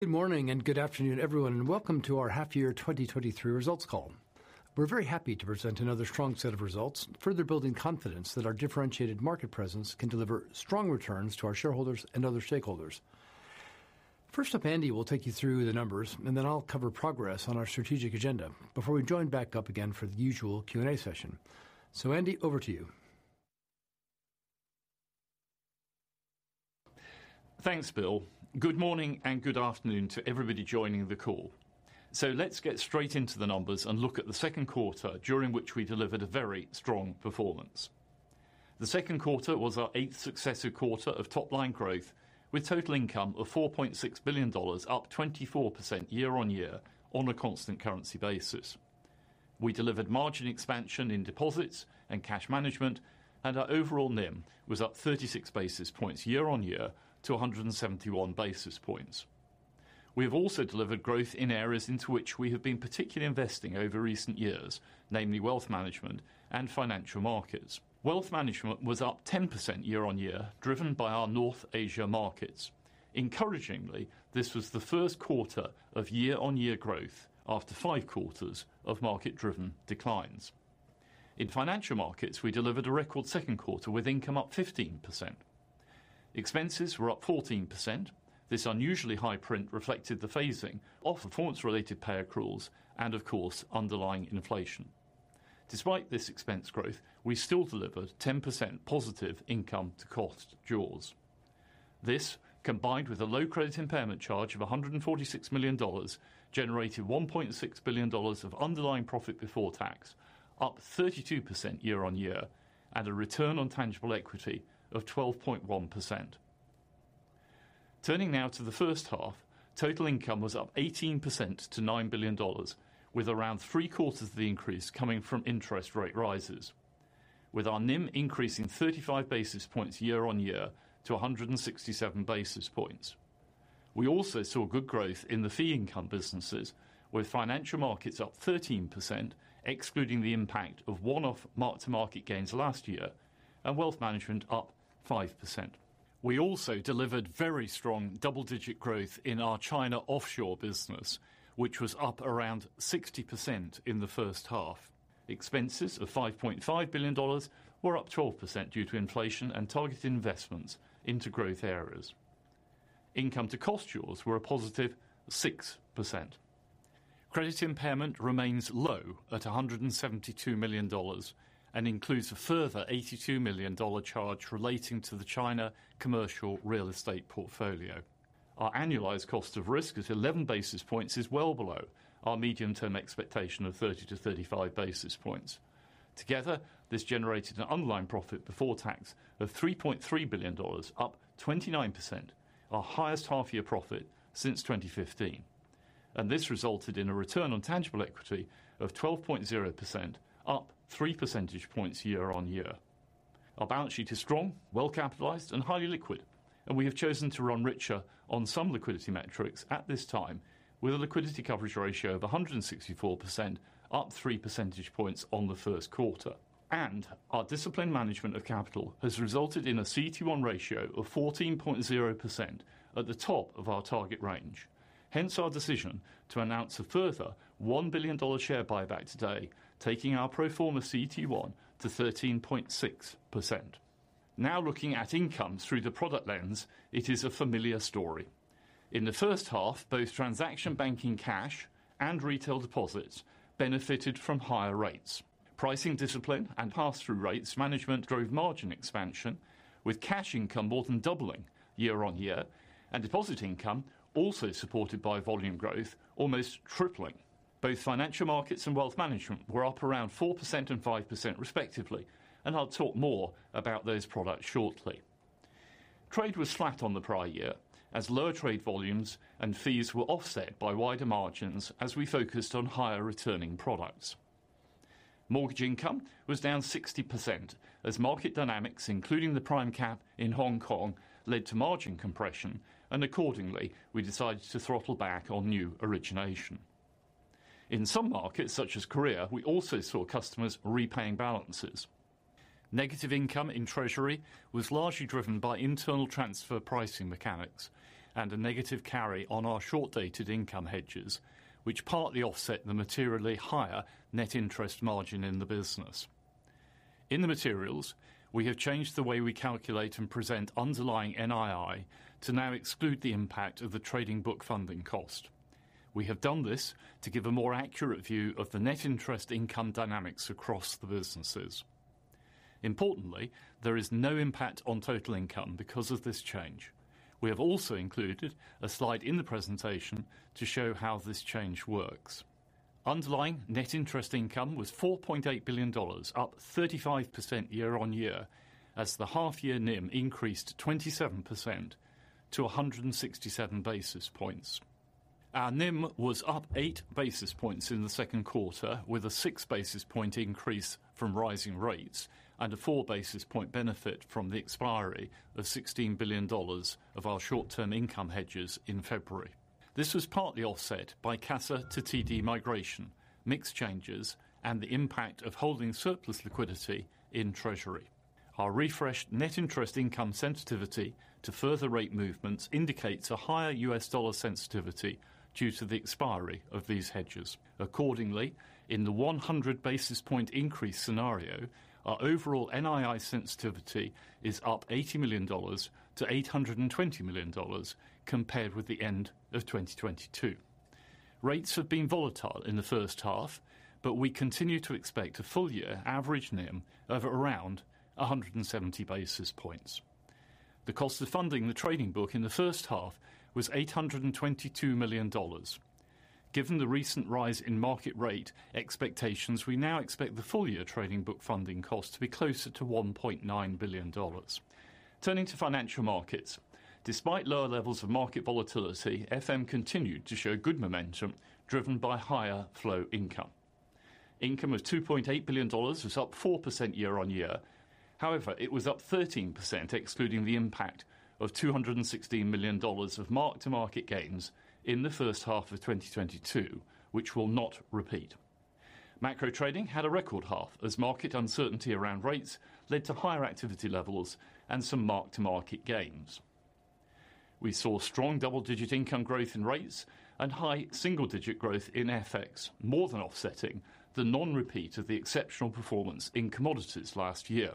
Good morning, good afternoon, everyone, and welcome to our half-year 2023 results call. We're very happy to present another strong set of results, further building confidence that our differentiated market presence can deliver strong returns to our shareholders and other stakeholders. First up, Andy will take you through the numbers, then I'll cover progress on our strategic agenda before we join back up again for the usual Q&A session. Andy, over to you. Thanks, Bill. Good morning, and good afternoon to everybody joining the call. Let's get straight into the numbers and look at the second quarter, during which we delivered a very strong performance. The second quarter was our eighth successive quarter of top-line growth, with total income of $4.6 billion, up 24% year-on-year on a constant currency basis. We delivered margin expansion in deposits and cash management, and our overall NIM was up 36 basis points year-on-year to 171 basis points. We have also delivered growth in areas into which we have been particularly investing over recent years, namely wealth management and financial markets. Wealth management was up 10% year-on-year, driven by our North Asia markets. Encouragingly, this was the first quarter of year-on-year growth after five quarters of market-driven declines. In financial markets, we delivered a record second quarter with income up 15%. Expenses were up 14%. This unusually high print reflected the phasing of performance-related pay accruals and, of course, underlying inflation. Despite this expense growth, we still delivered 10% positive income-to-cost jaws. This, combined with a low credit impairment charge of $146 million, generated $1.6 billion of underlying profit before tax, up 32% year-on-year, and a return on tangible equity of 12.1%. Turning now to the first half, total income was up 18% to $9 billion, with around 3/4 of the increase coming from interest rate rises, with our NIM increasing 35 basis points year-on-year to 167 basis points. We also saw good growth in the fee income businesses, with financial markets up 13%, excluding the impact of one-off mark-to-market gains last year, and wealth management up 5%. We also delivered very strong double-digit growth in our China offshore business, which was up around 60% in the first half. Expenses of $5.5 billion were up 12% due to inflation and targeted investments into growth areas. Income-to-cost jaws were a positive 6%. Credit impairment remains low at $172 million and includes a further $82 million charge relating to the China commercial real estate portfolio. Our annualized cost of risk at 11 basis points is well below our medium-term expectation of 30%-35% basis points. Together, this generated an underlying profit before tax of $3.3 billion, up 29%, our highest half-year profit since 2015. This resulted in a return on tangible equity of 12.0%, up 3 percentage points year-on-year. Our balance sheet is strong, well capitalized, and highly liquid. We have chosen to run richer on some liquidity metrics at this time, with a liquidity coverage ratio of 164%, up 3 percentage points on the first quarter. Our disciplined management of capital has resulted in a CET1 ratio of 14.0% at the top of our target range. Hence our decision to announce a further $1 billion share buyback today, taking our pro forma CET1 to 13.6%. Now looking at income through the product lens, it is a familiar story. In the first half, both transaction banking cash and retail deposits benefited from higher rates. Pricing discipline and pass-through rates management drove margin expansion, with cash income more than doubling year-on-year and deposit income, also supported by volume growth, almost tripling. Both financial markets and wealth management were up around 4% and 5%, respectively, and I'll talk more about those products shortly. Trade was flat on the prior year as lower trade volumes and fees were offset by wider margins as we focused on higher returning products. Mortgage income was down 60% as market dynamics, including the Prime cap in Hong Kong, led to margin compression, and accordingly, we decided to throttle back on new origination. In some markets, such as Korea, we also saw customers repaying balances. Negative income in Treasury was largely driven by internal transfer pricing mechanics and a negative carry on our short-dated income hedges, which partly offset the materially higher net interest margin in the business. In the materials, we have changed the way we calculate and present underlying NII to now exclude the impact of the trading book funding cost. We have done this to give a more accurate view of the net interest income dynamics across the businesses. Importantly, there is no impact on total income because of this change. We have also included a slide in the presentation to show how this change works. Underlying net interest income was $4.8 billion, up 35% year-on-year, as the half-year NIM increased 27% to 167 basis points. Our NIM was up 8 basis points in the second quarter, with a 6 basis point increase from rising rates and a 4 basis point benefit from the expiry of $16 billion of our short-term income hedges in February. This was partly offset by CASA to TD migration, mix changes, and the impact of holding surplus liquidity in treasury. Our refreshed net interest income sensitivity to further rate movements indicates a higher U.S. dollar sensitivity due to the expiry of these hedges. Accordingly, in the 100 basis point increase scenario, our overall NII sensitivity is up $80 million to $820 million, compared with the end of 2022. Rates have been volatile in the first half, we continue to expect a full-year average NIM of around 170 basis points. The cost of funding the trading book in the first half was $822 million. Given the recent rise in market rate expectations, we now expect the full-year trading book funding cost to be closer to $1.9 billion. Turning to financial markets, despite lower levels of market volatility, FM continued to show good momentum, driven by higher flow income. Income of $2.8 billion was up 4% year-on-year. It was up 13%, excluding the impact of $216 million of mark-to-market gains in the first half of 2022, which will not repeat. Macro trading had a record half, as market uncertainty around rates led to higher activity levels and some mark-to-market gains. We saw strong double-digit income growth in rates and high single-digit growth in FX, more than offsetting the non-repeat of the exceptional performance in commodities last year.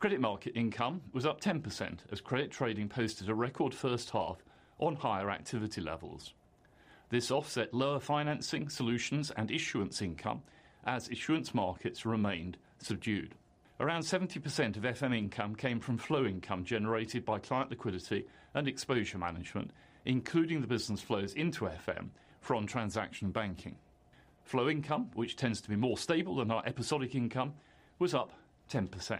Credit Trading income was up 10% as credit trading posted a record first half on higher activity levels. This offset lower financing solutions and issuance income as issuance markets remained subdued. Around 70% of FM income came from flow income generated by client liquidity and exposure management, including the business flows into FM from transaction banking. Flow income, which tends to be more stable than our episodic income, was up 10%.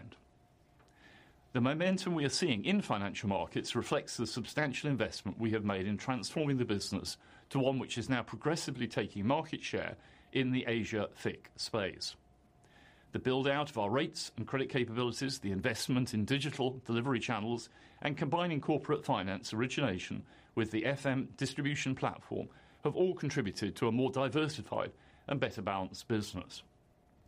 The momentum we are seeing in financial markets reflects the substantial investment we have made in transforming the business to one which is now progressively taking market share in the Asia FICC space. The build-out of our rates and credit capabilities, the investment in digital delivery channels, and combining corporate finance origination with the FM distribution platform, have all contributed to a more diversified and better balanced business.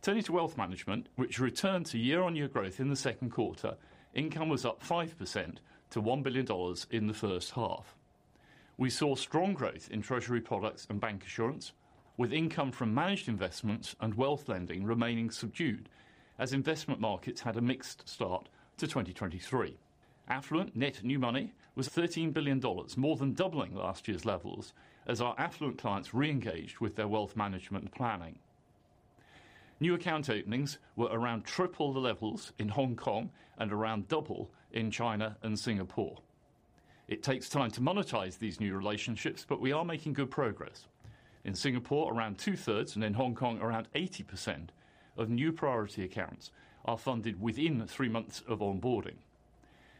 Turning to wealth management, which returned to year-on-year growth in the second quarter, income was up 5% to $1 billion in the first half. We saw strong growth in Treasury products and bancassurance, with income from managed investments and wealth lending remaining subdued, as investment markets had a mixed start to 2023. Affluent net new money was $13 billion, more than 2x last year's levels as our affluent clients re-engaged with their wealth management planning. New account openings were around 3x the levels in Hong Kong and around 2x in China and Singapore. It takes time to monetize these new relationships, but we are making good progress. In Singapore, around two-thirds, and in Hong Kong, around 80% of new priority accounts are funded within three months of onboarding.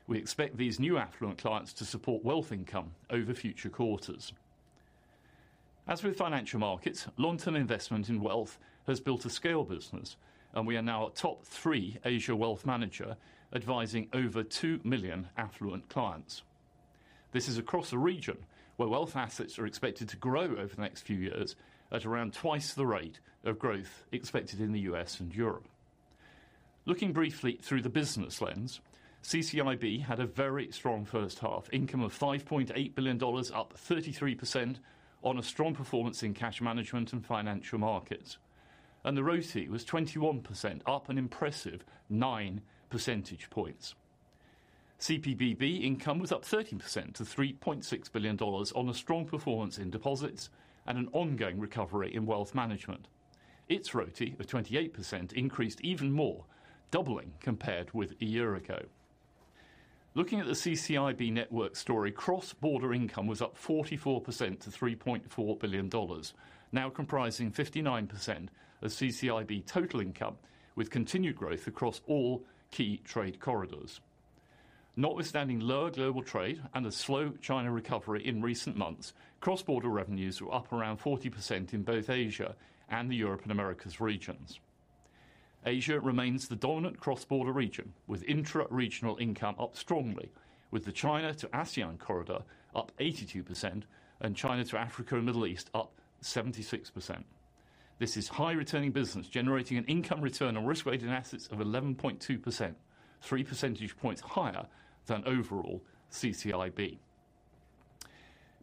We expect these new affluent clients to support wealth income over future quarters. As with financial markets, long-term investment in wealth has built a scale business, and we are now a top three Asia wealth manager, advising over 2 million affluent clients. This is across a region where wealth assets are expected to grow over the next few years at around twice the rate of growth expected in the U.S. and Europe. Looking briefly through the business lens, CCIB had a very strong first-half income of $5.8 billion, up 33% on a strong performance in cash management and financial markets, and the RoTE was 21%, up an impressive 9 percentage points. CPBB income was up 13% to $3.6 billion on a strong performance in deposits and an ongoing recovery in wealth management. Its RoTE of 28% increased even more, doubling compared with a year ago. Looking at the CCIB network story, cross-border income was up 44% to $3.4 billion, now comprising 59% of CCIB total income, with continued growth across all key trade corridors. Notwithstanding lower global trade and a slow China recovery in recent months, cross-border revenues were up around 40% in both Asia and the Europe and Americas regions. Asia remains the dominant cross-border region, with intra-regional income up strongly, with the China to ASEAN corridor up 82% and China to Africa and Middle East up 76%. This is high-returning business, generating an income return on risk-weighted assets of 11.2%, 3 percentage points higher than overall CCIB.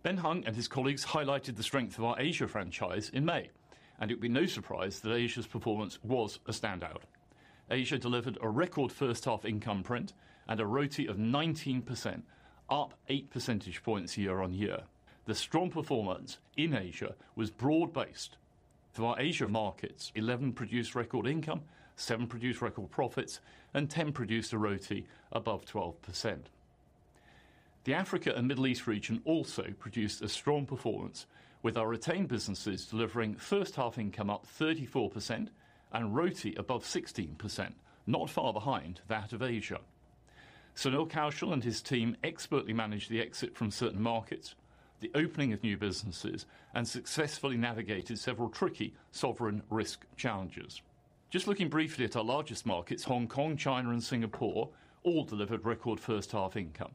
Ben Hung and his colleagues highlighted the strength of our Asia franchise in May. It would be no surprise that Asia's performance was a standout. Asia delivered a record first half income print and a RoTE of 19%, up 8 percentage points year-on-year. The strong performance in Asia was broad-based. Through our Asia markets, 11 produced record income, 7 produced record profits, and 10 produced a RoTE above 12%. The Africa and Middle East region also produced a strong performance, with our retained businesses delivering first-half income up 34% and RoTE above 16%, not far behind that of Asia. Sunil Kaushal and his team expertly managed the exit from certain markets, the opening of new businesses, and successfully navigated several tricky sovereign risk challenges. Just looking briefly at our largest markets, Hong Kong, China, and Singapore all delivered record first-half income.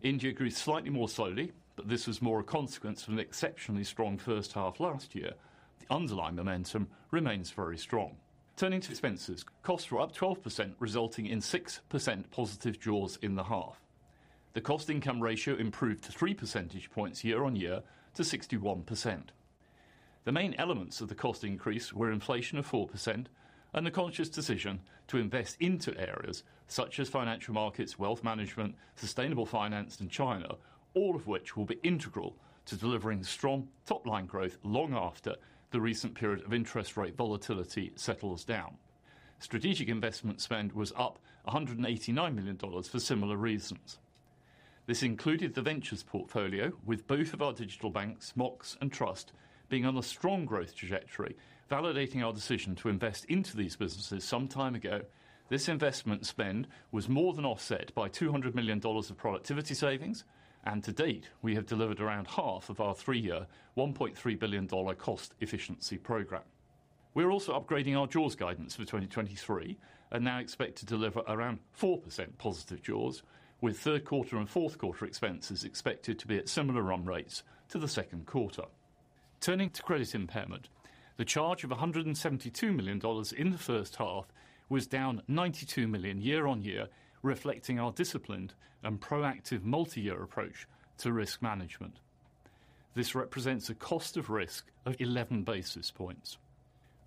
India grew slightly more slowly, but this was more a consequence of an exceptionally strong first half last year. The underlying momentum remains very strong. Turning to expenses, costs were up 12%, resulting in 6% positive jaws in the half. The cost-to-income ratio improved to 3 percentage points year-over-year to 61%. The main elements of the cost increase were inflation of 4% and the conscious decision to invest into areas such as financial markets, wealth management, sustainable finance and China, all of which will be integral to delivering strong top-line growth long after the recent period of interest rate volatility settles down. Strategic investment spend was up $189 million for similar reasons. This included the Ventures portfolio with both of our digital banks, Mox and Trust, being on a strong growth trajectory, validating our decision to invest into these businesses some time ago. This investment spend was more than offset by $200 million of productivity savings. To date, we have delivered around half of our three-year, $1.3 billion cost efficiency program. We are also upgrading our jaws guidance for 2023 and now expect to deliver around 4% positive jaws, with third-quarter and fourth-quarter expenses expected to be at similar run rates to the second quarter. Turning to credit impairment, the charge of $172 million in the first half was down $92 million year-on-year, reflecting our disciplined and proactive multi-year approach to risk management. This represents a cost of risk of 11 basis points.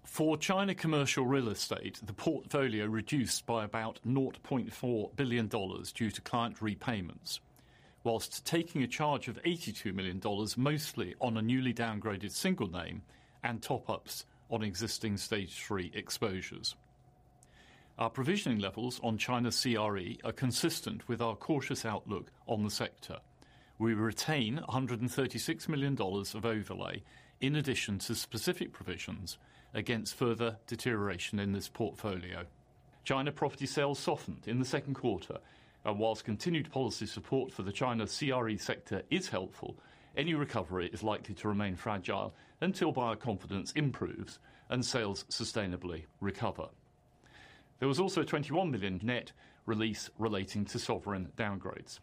For China commercial real estate, the portfolio reduced by about $0.4 billion due to client repayments, whilst taking a charge of $82 million, mostly on a newly downgraded single name and top ups on existing Stage 3 exposures. Our provisioning levels on China CRE are consistent with our cautious outlook on the sector. We retain $136 million of overlay in addition to specific provisions against further deterioration in this portfolio. China property sales softened in the second quarter, whilst continued policy support for the China CRE sector is helpful, any recovery is likely to remain fragile until buyer confidence improves and sales sustainably recover. There was also a $21 million net release relating to sovereign downgrades.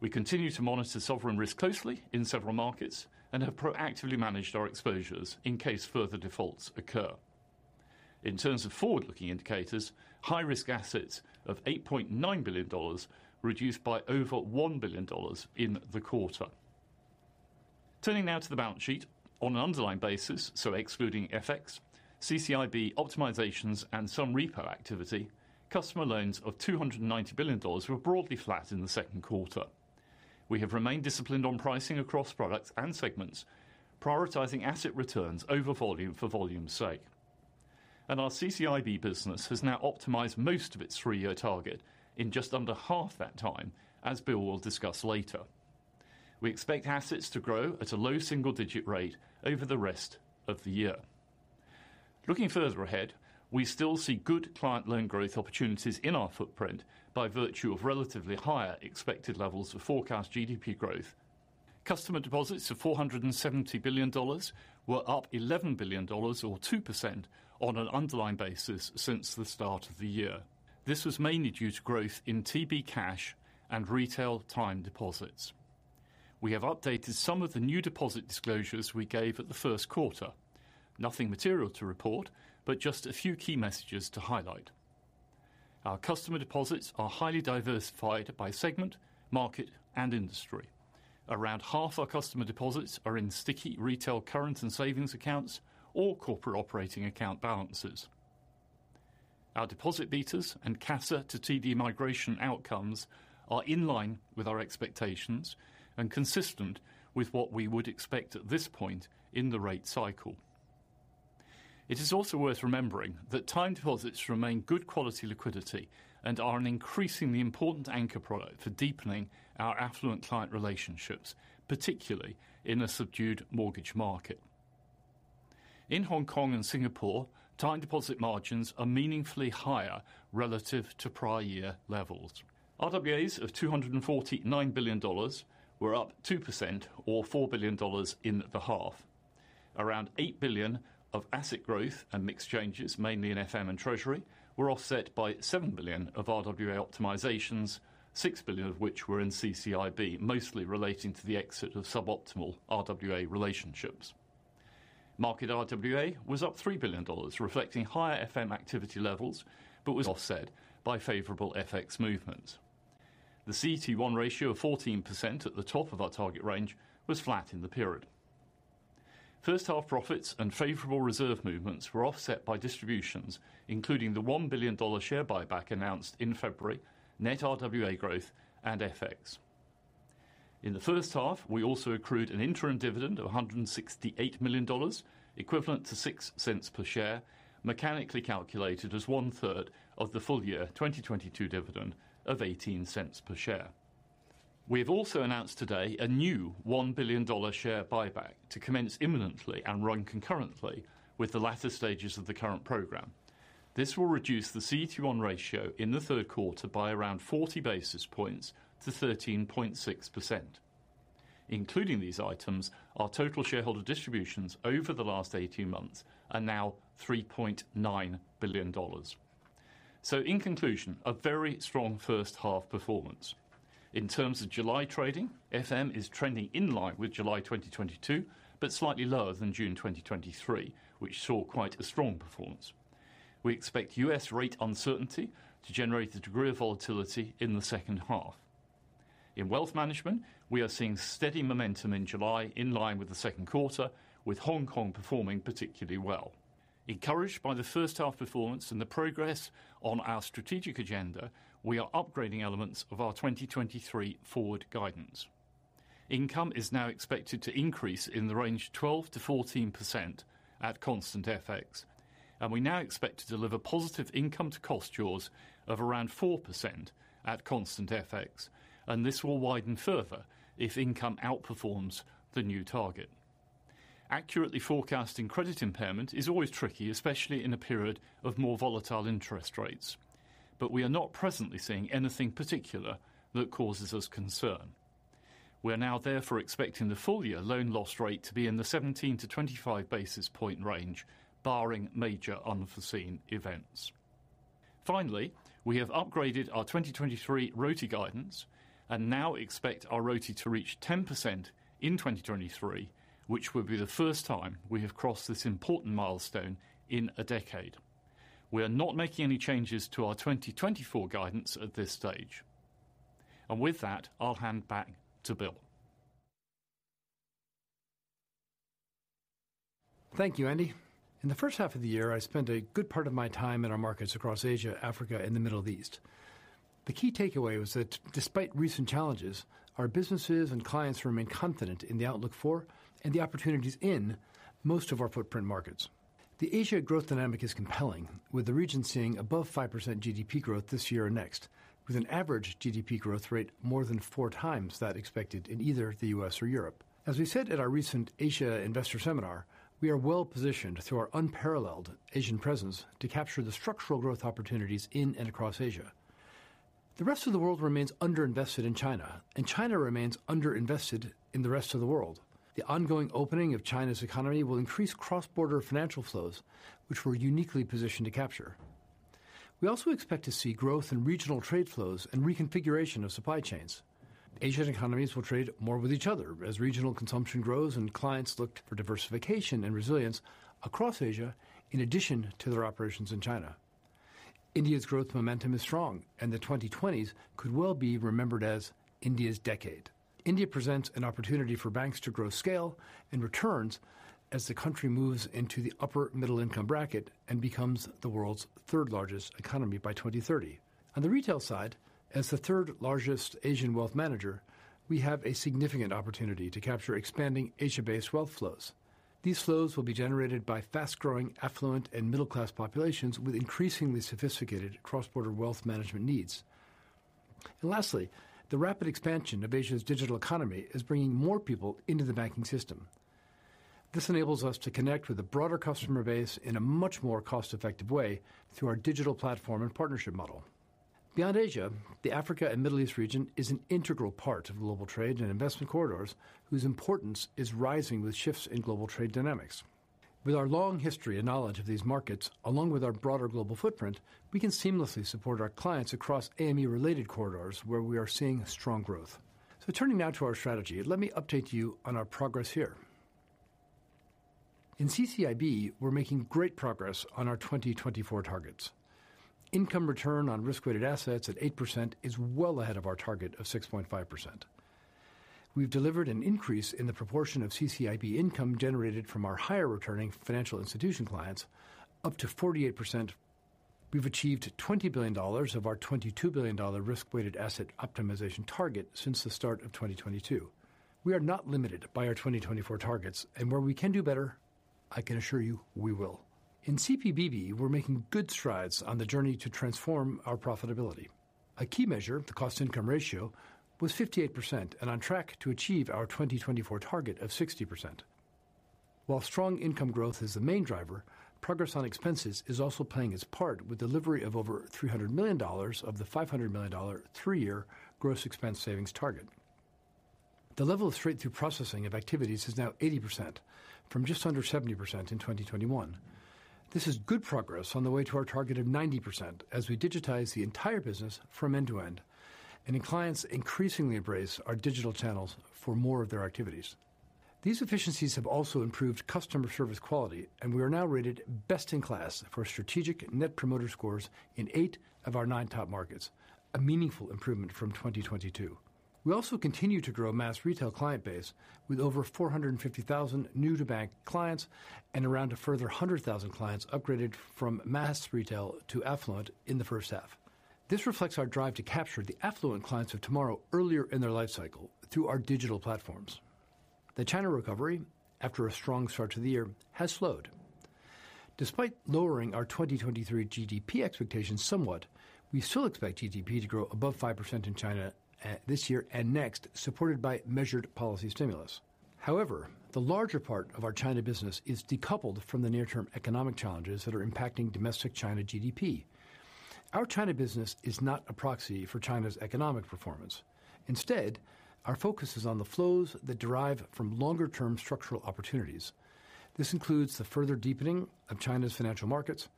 We continue to monitor sovereign risk closely in several markets and have proactively managed our exposures in case further defaults occur. In terms of forward-looking indicators, high-risk assets of $8.9 billion reduced by over $1 billion in the quarter. Turning now to the balance sheet on an underlying basis, so excluding FX, CCIB optimizations and some repo activity, customer loans of $290 billion were broadly flat in the second quarter. We have remained disciplined on pricing across products and segments, prioritizing asset returns over volume for volume's sake. Our CCIB business has now optimized most of its three-year target in just under half that time, as Bill will discuss later. We expect assets to grow at a low single-digit rate over the rest of the year. Looking further ahead, we still see good client loan growth opportunities in our footprint by virtue of relatively higher expected levels of forecast GDP growth. Customer deposits of $470 billion were up $11 billion, or 2% on an underlying basis since the start of the year. This was mainly due to growth in TB cash and retail time deposits. We have updated some of the new deposit disclosures we gave at the first quarter. Nothing material to report, but just a few key messages to highlight. Our customer deposits are highly diversified by segment, market, and industry. Around half our customer deposits are in sticky retail current and savings accounts or corporate operating account balances. Our deposit betas and CASA to TD migration outcomes are in line with our expectations and consistent with what we would expect at this point in the rate cycle. It is also worth remembering that time deposits remain good quality liquidity and are an increasingly important anchor product for deepening our affluent client relationships, particularly in a subdued mortgage market. In Hong Kong and Singapore, time deposit margins are meaningfully higher relative to prior year levels. RWAs of $249 billion were up 2% or $4 billion in the half. Around $8 billion of asset growth and mix changes, mainly in FM and Treasury, were offset by $7 billion of RWA optimizations, $6 billion of which were in CCIB, mostly relating to the exit of suboptimal RWA relationships. Market RWA was up $3 billion, reflecting higher FM activity levels, but was offset by favorable FX movements. The CET1 ratio of 14% at the top of our target range was flat in the period. First half profits and favorable reserve movements were offset by distributions, including the $1 billion share buyback announced in February, net RWA growth and FX. In the first half, we also accrued an interim dividend of $168 million, equivalent to $0.06 per share, mechanically calculated as one third of the full-year 2022 dividend of $0.18 per share. We have also announced today a new $1 billion share buyback to commence imminently and run concurrently with the latter stages of the current program. This will reduce the CET1 ratio in the third quarter by around 40 basis points to 13.6%. Including these items, our total shareholder distributions over the last 18 months are now $3.9 billion. In conclusion, a very strong first half performance. In terms of July trading, FM is trending in line with July 2022, but slightly lower than June 2023, which saw quite a strong performance. We expect U.S. rate uncertainty to generate a degree of volatility in the second half. In wealth management, we are seeing steady momentum in July, in line with the second quarter, with Hong Kong performing particularly well. Encouraged by the first half performance and the progress on our strategic agenda, we are upgrading elements of our 2023 forward guidance. Income is now expected to increase in the range 12%-14% at constant FX. We now expect to deliver positive income-to-cost jaws of around 4% at constant FX. This will widen further if income outperforms the new target. Accurately forecasting credit impairment is always tricky, especially in a period of more volatile interest rates. We are not presently seeing anything particular that causes us concern. We are now therefore expecting the full-year loan loss rate to be in the 17-25 basis point range, barring major unforeseen events. Finally, we have upgraded our 2023 RoTE guidance and now expect our RoTE to reach 10% in 2023, which will be the first time we have crossed this important milestone in a decade. We are not making any changes to our 2024 guidance at this stage. With that, I'll hand back to Bill. Thank you, Andy. In the first half of the year, I spent a good part of my time in our markets across Asia, Africa, and the Middle East. The key takeaway was that despite recent challenges, our businesses and clients remain confident in the outlook for, and the opportunities in most of our footprint markets. The Asia growth dynamic is compelling, with the region seeing above 5% GDP growth this year and next, with an average GDP growth rate more than four times that expected in either the U.S. or Europe. As we said at our recent Asia Investor Seminar, we are well-positioned through our unparalleled Asian presence to capture the structural growth opportunities in and across Asia. The rest of the world remains underinvested in China, and China remains underinvested in the rest of the world. The ongoing opening of China's economy will increase cross-border financial flows, which we're uniquely positioned to capture. We also expect to see growth in regional trade flows and reconfiguration of supply chains. Asian economies will trade more with each other as regional consumption grows and clients look for diversification and resilience across Asia, in addition to their operations in China. India's growth momentum is strong. The 2020s could well be remembered as India's decade. India presents an opportunity for banks to grow scale and returns as the country moves into the upper middle-income bracket and becomes the world's third largest economy by 2030. On the retail side, as the third largest Asian wealth manager, we have a significant opportunity to capture expanding Asia-based wealth flows. These flows will be generated by fast-growing, affluent, and middle-class populations with increasingly sophisticated cross-border wealth management needs. Lastly, the rapid expansion of Asia's digital economy is bringing more people into the banking system. This enables us to connect with a broader customer base in a much more cost-effective way through our digital platform and partnership model. Beyond Asia, the Africa and Middle East region is an integral part of global trade and investment corridors, whose importance is rising with shifts in global trade dynamics. With our long history and knowledge of these markets, along with our broader global footprint, we can seamlessly support our clients across AME-related corridors, where we are seeing strong growth. Turning now to our strategy, let me update you on our progress here. In CCIB, we're making great progress on our 2024 targets. Income return on risk-weighted assets at 8% is well ahead of our target of 6.5%. We've delivered an increase in the proportion of CCIB income generated from our higher-returning financial institution clients, up to 48%. We've achieved $20 billion of our $22 billion risk-weighted asset optimization target since the start of 2022. We are not limited by our 2024 targets, and where we can do better, I can assure you we will. In CPBB, we're making good strides on the journey to transform our profitability. A key measure, the cost-to-income ratio, was 58% and on track to achieve our 2024 target of 60%. While strong income growth is the main driver, progress on expenses is also playing its part, with delivery of over $300 million of the $500 million three-year gross expense savings target. The level of straight-through processing of activities is now 80%, from just under 70% in 2021. This is good progress on the way to our target of 90% as we digitize the entire business from end to end. Clients increasingly embrace our digital channels for more of their activities. These efficiencies have also improved customer service quality. We are now rated best in class for Strategic Net Promoters Score in 8 of our 9 top markets, a meaningful improvement from 2022. We also continue to grow mass retail client base with over 450,000 new-to-bank clients and around a further 100,000 clients upgraded from mass retail to affluent in the first half. This reflects our drive to capture the affluent clients of tomorrow earlier in their life cycle through our digital platforms. The China recovery, after a strong start to the year, has slowed. Despite lowering our 2023 GDP expectations somewhat, we still expect GDP to grow above 5% in China this year and next, supported by measured policy stimulus. However, the larger part of our China business is decoupled from the near-term economic challenges that are impacting domestic China GDP. Our China business is not a proxy for China's economic performance. Instead, our focus is on the flows that derive from longer-term structural opportunities. This includes the further deepening of China's financial markets,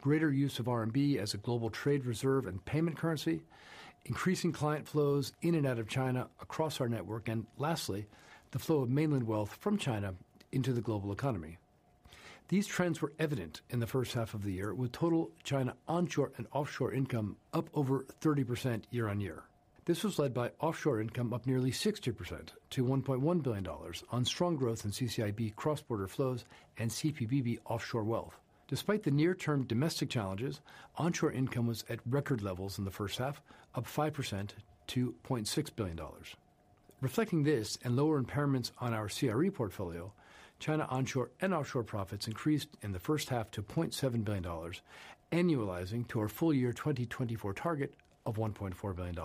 greater use of RMB as a global trade reserve and payment currency, increasing client flows in and out of China across our network, and lastly, the flow of mainland wealth from China into the global economy. These trends were evident in the first half of the year, with total China onshore and offshore income up over 30% year-on-year. This was led by offshore income, up nearly 60% to $1.1 billion on strong growth in CCIB cross-border flows and CPBB offshore wealth. Despite the near-term domestic challenges, onshore income was at record levels in the first half, up 5% to $0.6 billion. Reflecting this and lower impairments on our CRE portfolio, China onshore and offshore profits increased in the first half to $0.7 billion, annualizing to our full-year 2024 target of $1.4 billion.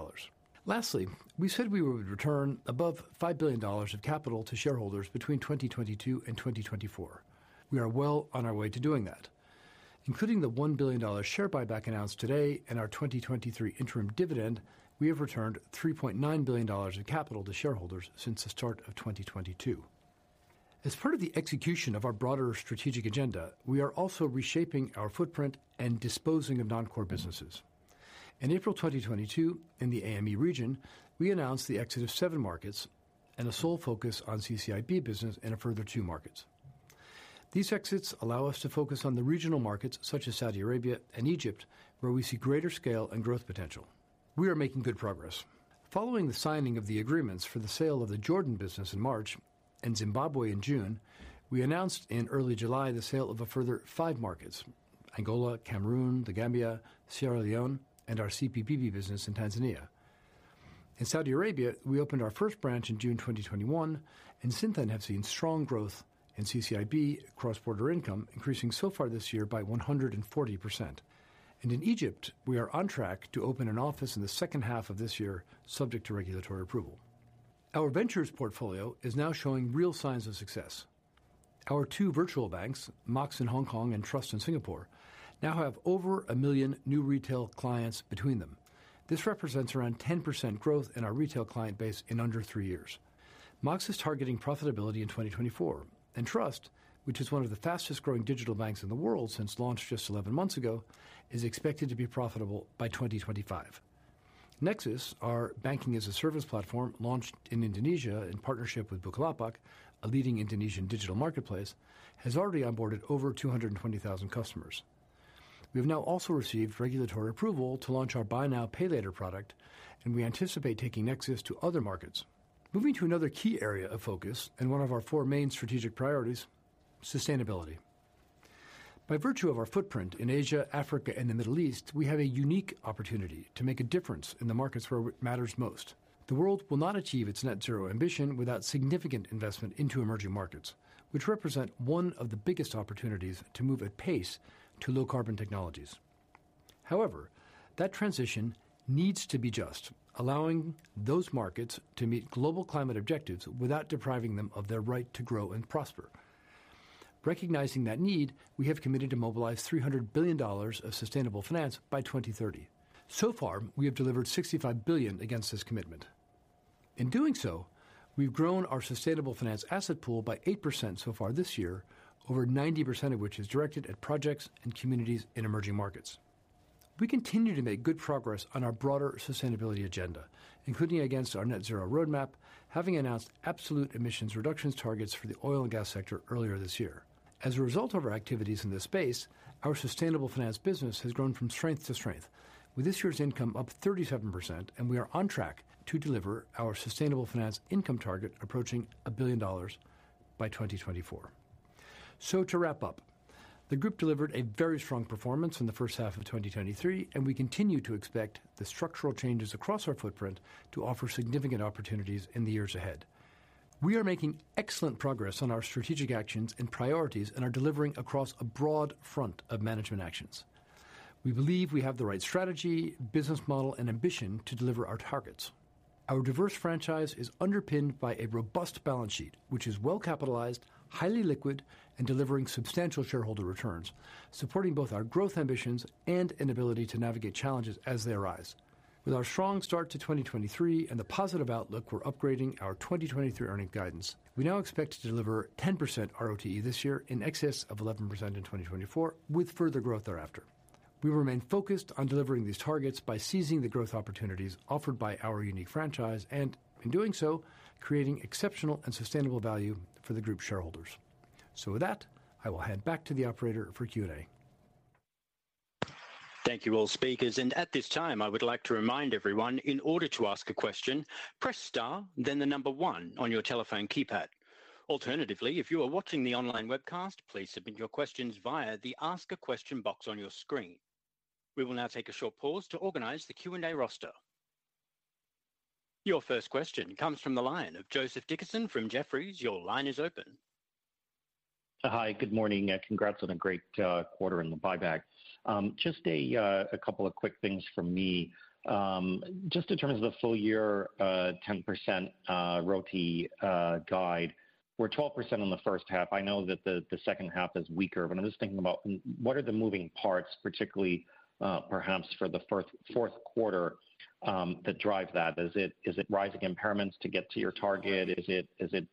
Lastly, we said we would return above $5 billion of capital to shareholders between 2022 and 2024. We are well on our way to doing that. Including the $1 billion share buyback announced today and our 2023 interim dividend, we have returned $3.9 billion in capital to shareholders since the start of 2022. As part of the execution of our broader strategic agenda, we are also reshaping our footprint and disposing of non-core businesses. In April 2022, in the AME region, we announced the exit of seven markets and a sole focus on CCIB business in a further two markets. These exits allow us to focus on the regional markets such as Saudi Arabia and Egypt, where we see greater scale and growth potential. We are making good progress. Following the signing of the agreements for the sale of the Jordan business in March and Zimbabwe in June, we announced in early July the sale of a further five markets: Angola, Cameroon, The Gambia, Sierra Leone, and our CPBB business in Tanzania. In Saudi Arabia, we opened our first branch in June 2021. Since then have seen strong growth in CCIB cross-border income, increasing so far this year by 140%. In Egypt, we are on track to open an office in the second half of this year, subject to regulatory approval. Our Ventures portfolio is now showing real signs of success. Our two virtual banks, Mox in Hong Kong and Trust in Singapore, now have over 1 million new retail clients between them. This represents around 10% growth in our retail client base in under three years. Mox is targeting profitability in 2024. Trust, which is one of the fastest-growing digital banks in the world since launch just 11 months ago, is expected to be profitable by 2025. Nexus, our Banking-as-a-Service platform, launched in Indonesia in partnership with Bukalapak, a leading Indonesian digital marketplace, has already onboarded over 220,000 customers. We have now also received regulatory approval to launch our buy now, pay later product, and we anticipate taking Nexus to other markets. Moving to another key area of focus and one of our four main strategic priorities: sustainability. By virtue of our footprint in Asia, Africa, and the Middle East, we have a unique opportunity to make a difference in the markets where it matters most. The world will not achieve its net zero ambition without significant investment into emerging markets, which represent one of the biggest opportunities to move at pace to low carbon technologies. However, that transition needs to be just, allowing those markets to meet global climate objectives without depriving them of their right to grow and prosper. Recognizing that need, we have committed to mobilize $300 billion of sustainable finance by 2030. So far, we have delivered $65 billion against this commitment. In doing so, we've grown our sustainable finance asset pool by 8% so far this year, over 90% of which is directed at projects and communities in emerging markets. We continue to make good progress on our broader sustainability agenda, including against our net zero roadmap, having announced absolute emissions reductions targets for the oil and gas sector earlier this year. As a result of our activities in this space, our sustainable finance business has grown from strength to strength. With this year's income up 37%, and we are on track to deliver our sustainable finance income target, approaching $1 billion by 2024. To wrap up, the group delivered a very strong performance in the first half of 2023, and we continue to expect the structural changes across our footprint to offer significant opportunities in the years ahead. We are making excellent progress on our strategic actions and priorities and are delivering across a broad front of management actions. We believe we have the right strategy, business model, and ambition to deliver our targets. Our diverse franchise is underpinned by a robust balance sheet, which is well capitalized, highly liquid, and delivering substantial shareholder returns, supporting both our growth ambitions and an ability to navigate challenges as they arise. With our strong start to 2023 and the positive outlook, we're upgrading our 2023 earning guidance. We now expect to deliver 10% RoTE this year, in excess of 11% in 2024, with further growth thereafter. We remain focused on delivering these targets by seizing the growth opportunities offered by our unique franchise and, in doing so, creating exceptional and sustainable value for the group shareholders. With that, I will hand back to the Operator for Q&A. Thank you, all speakers. At this time, I would like to remind everyone, in order to ask a question, press star, then the number one on your telephone keypad. Alternatively, if you are watching the online webcast, please submit your questions via the Ask a Question box on your screen. We will now take a short pause to organize the Q&A roster. Your first question comes from the line of Joseph Dickerson from Jefferies. Your line is open. Hi, good morning, congrats on a great quarter in the buyback. Just a couple of quick things from me. Just in terms of the full-year 10% RoTE guide, we're 12% on the first half. I know that the second half is weaker, but I'm just thinking about what are the moving parts, particularly perhaps for the fourth quarter that drive that? Is it rising impairments to get to your target? Is it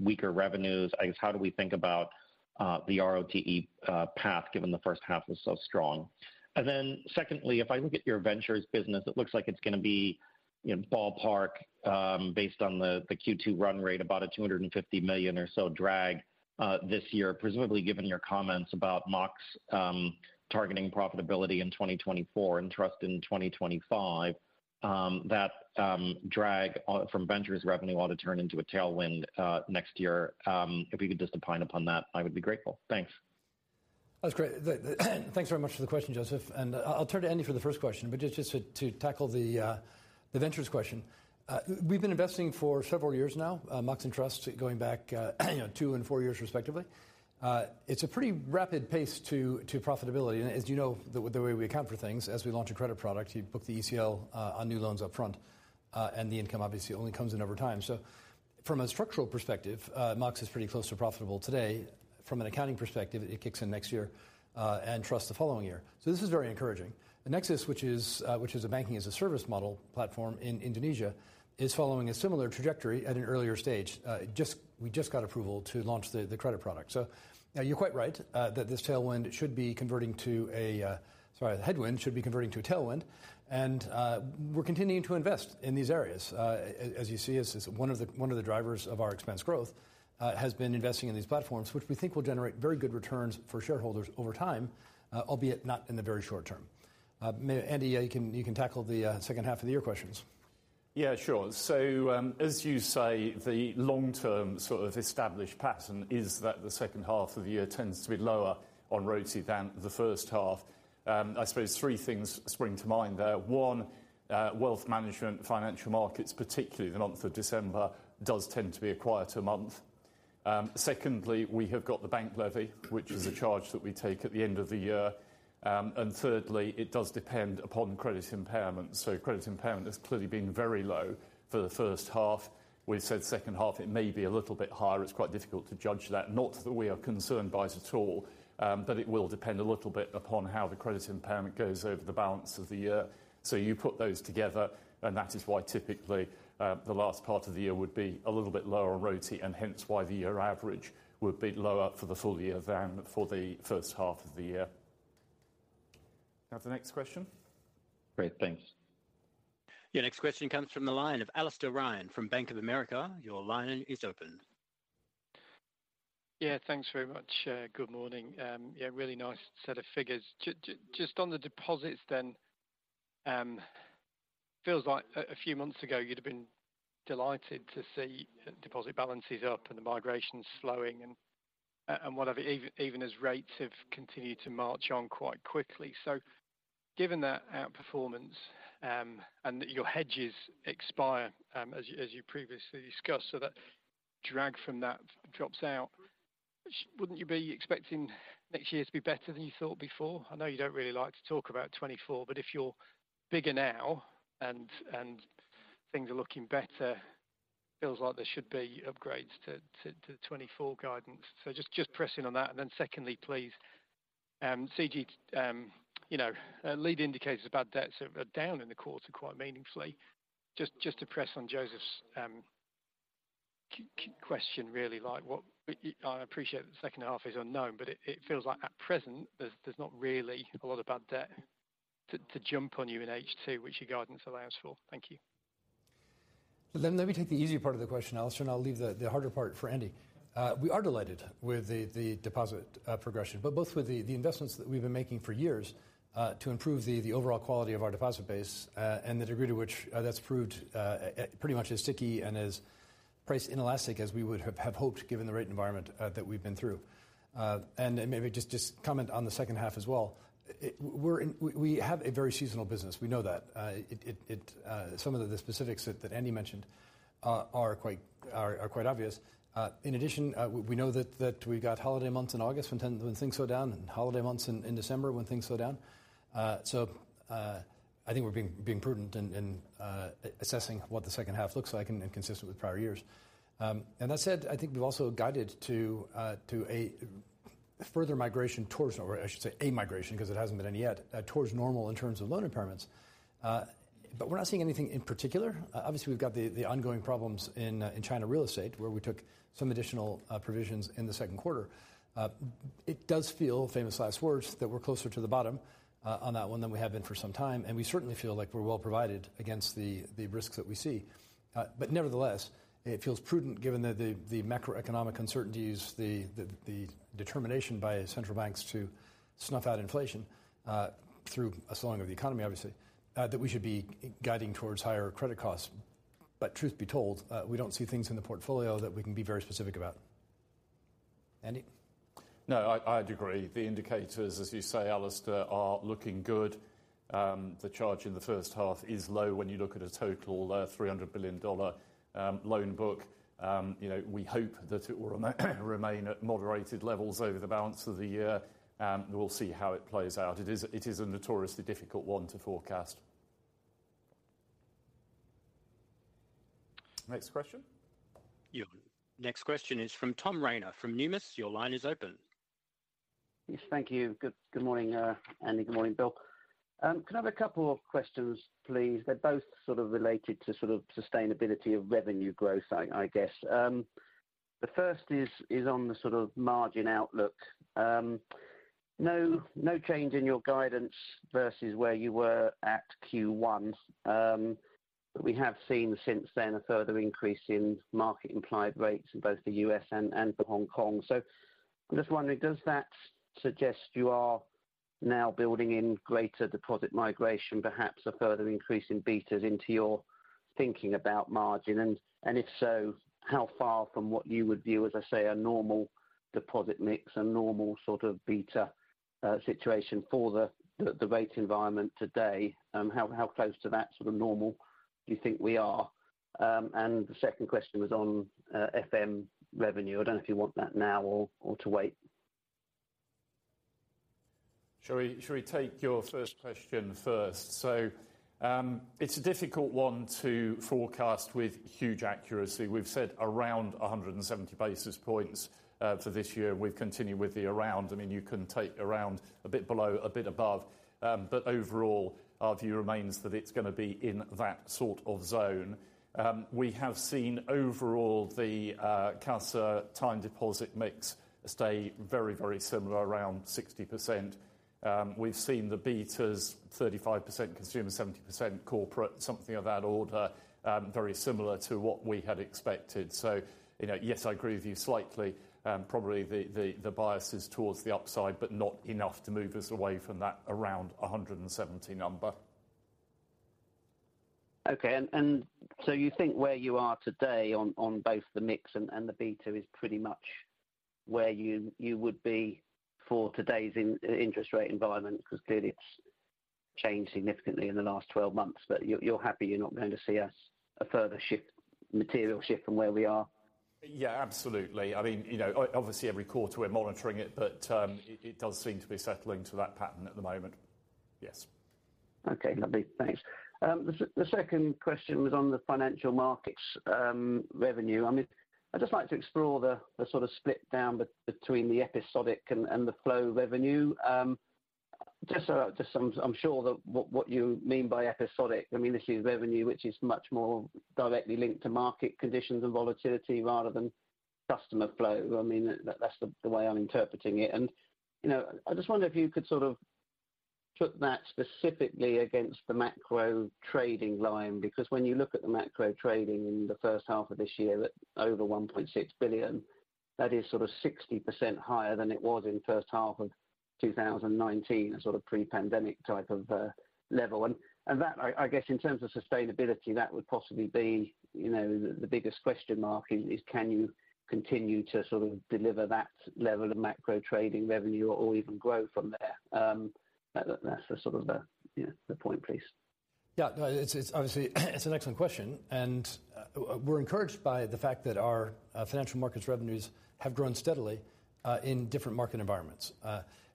weaker revenues? I guess, how do we think about the RoTE path, given the first half was so strong? Then secondly, if I look at your ventures business, it looks like it's gonna be, you know, ballpark, based on the Q2 run rate, about a $250 million or so drag this year, presumably, given your comments about Mox targeting profitability in 2024 and Trust in 2025, that drag on from ventures revenue ought to turn into a tailwind next year. If you could just opine upon that, I would be grateful. Thanks. That's great. Thanks very much for the question, Joseph. I'll turn to Andy for the first question. Just, just to, to tackle the ventures question. We've been investing for several years now, Mox and Trust, going back, you know, two and four years, respectively. It's a pretty rapid pace to profitability. As you know, the way we account for things, as we launch a credit product, you book the ECL on new loans up front, and the income obviously only comes in over time. From a structural perspective, Mox is pretty close to profitable today. From an accounting perspective, it kicks in next year, and Trust, the following year. This is very encouraging. The Nexus, which is, which is a banking-as-a-service model platform in Indonesia, is following a similar trajectory at an earlier stage. We just got approval to launch the, the credit product. You're quite right, that this tailwind should be converting to a... Sorry, the headwind should be converting to a tailwind, we're continuing to invest in these areas. As, as you see, as one of the, one of the drivers of our expense growth, has been investing in these platforms, which we think will generate very good returns for shareholders over time, albeit not in the very short term. Andy, yeah, you can, you can tackle the, second half of the year questions. Yeah, sure. As you say, the long-term sort of established pattern is that the second half of the year tends to be lower on RoTE than the first half. I suppose three things spring to mind there. One, wealth management, financial markets, particularly the month of December, does tend to be a quieter month. Secondly, we have got the bank levy, which is a charge that we take at the end of the year. Thirdly, it does depend upon credit impairment. Credit impairment has clearly been very low for the first half. We've said second half, it may be a little bit higher. It's quite difficult to judge that. Not that we are concerned by it at all, but it will depend a little bit upon how the credit impairment goes over the balance of the year. You put those together, and that is why typically, the last part of the year would be a little bit lower on RoTE, and hence why the year average would be lower for the full-year than for the first half of the year. Now, the next question. Great, thanks. Your next question comes from the line of Alastair Ryan from Bank of America. Your line is open. Yeah, thanks very much. Good morning. Yeah, really nice set of figures. Just on the deposits then, feels like a few months ago, you'd have been delighted to see deposit balances up and the migration slowing and whatever, even as rates have continued to march on quite quickly. Given that outperformance, and that your hedges expire, as you previously discussed, so that drag from that drops out, wouldn't you be expecting next year to be better than you thought before? I know you don't really like to talk about 2024, but if you're bigger now and things are looking better, feels like there should be upgrades to 2024 guidance. Just pressing on that. Secondly, please, could you comment on the credit guidance? Lead indicators about debts are, are down in the quarter, quite meaningfully. Just, just to press on Joseph's question, really like what... I appreciate the second half is unknown, but it, it feels like at present, there's, there's not really a lot of bad debt to, to jump on you in H2, which your guidance allows for. Thank you. Let me take the easy part of the question, Alastair, and I'll leave the, the harder part for Andy. We are delighted with the, the deposit progression, but both with the, the investments that we've been making for years to improve the, the overall quality of our deposit base and the degree to which that's proved pretty much as sticky and as price inelastic as we would have, have hoped, given the rate environment that we've been through. Maybe just, just comment on the second half as well. We, we have a very seasonal business, we know that. It, it, it, some of the specifics that, that Andy mentioned are quite, are, are quite obvious. In addition, we know that, that we've got holiday months in August when when things slow down and holiday months in, in December, when things slow down. I think we're being, being prudent in, in, assessing what the second half looks like and, and consistent with prior years. That said, I think we've also guided to, to a further migration towards, or I should say, a migration, 'cause it hasn't been any yet, towards normal in terms of loan impairments. We're not seeing anything in particular. Obviously, we've got the, the ongoing problems in, in China real estate, where we took some additional, provisions in the second quarter. It does feel, famous last words, that we're closer to the bottom on that one than we have been for some time, and we certainly feel like we're well provided against the, the risks that we see. Nevertheless, it feels prudent, given the, the macroeconomic uncertainties, the, the, the determination by central banks to snuff out inflation through a slowing of the economy, obviously, that we should be guiding towards higher credit costs. Truth be told, we don't see things in the portfolio that we can be very specific about. Andy? No, I, I'd agree. The indicators, as you say, Alastair, are looking good. The charge in the first half is low when you look at a total $300 billion loan book. You know, we hope that it will remain at moderated levels over the balance of the year, and we'll see how it plays out. It is, it is a notoriously difficult one to forecast. Next question? Yeah. Next question is from Tom Rayner, from Numis. Your line is open. Yes, thank you. Good, good morning, Andy, good morning, Bill. Can I have a couple of questions please? They're both sort of related to sort of sustainability of revenue growth, I, I guess. The first is, is on the sort of margin outlook. No, no change in your guidance versus where you were at Q1. But we have seen since then a further increase in market implied rates in both the U.S. and, and Hong Kong. So I'm just wondering, does that suggest you are now building in greater deposit migration, perhaps a further increase in betas into your thinking about margin? And, and if so, how far from what you would view, as I say, a normal deposit mix and normal sort of beta, situation for the, the, the rate environment today? How, how close to that sort of normal do you think we are? The second question was on FM revenue. I don't know if you want that now or, or to wait. Shall we, shall we take your first question first? It's a difficult one to forecast with huge accuracy. We've said around 170 basis points for this year. We've continued with the around. I mean, you can take around a bit below, a bit above, but overall, our view remains that it's gonna be in that sort of zone. We have seen overall the CASA-to- time-deposit mix stay very, very similar, around 60%. We've seen the betas 35% consumer, 70% corporate, something of that order, very similar to what we had expected. You know, yes, I agree with you slightly. Probably the bias is towards the upside, but not enough to move us away from that around 170 number. Okay, so you think where you are today on both the mix and the beta is pretty much where you would be for today's interest rate environment, because clearly it's changed significantly in the last 12 months. You're happy you're not going to see a further shift, material shift from where we are? Absolutely. I mean, you know, obviously, every quarter we're monitoring it, but, it, it does seem to be settling to that pattern at the moment. Yes. Okay, lovely. Thanks. The, the second question was on the financial markets revenue. I mean, I'd just like to explore the, the sort of split down between the episodic and, and the flow revenue. Just so I'm, I'm sure that what, what you mean by episodic, I mean, this is revenue, which is much more directly linked to market conditions and volatility rather than customer flow. I mean, that's the, the way I'm interpreting it. You know, I just wonder if you could sort of put that specifically against the macro trading line, because when you look at the Macro Trading in the first half of this year, at over $1.6 billion, that is sort of 60% higher than it was in first half of 2019, a sort of pre-pandemic type of level. That I guess in terms of sustainability, that would possibly be, you know, the biggest question mark, is, can you continue to sort of deliver that level of macro trading revenue or even grow from there? That's the sort of the, you know, the point piece. Yeah, no, it's obviously, it's an excellent question. We're encouraged by the fact that our financial markets revenues have grown steadily in different market environments.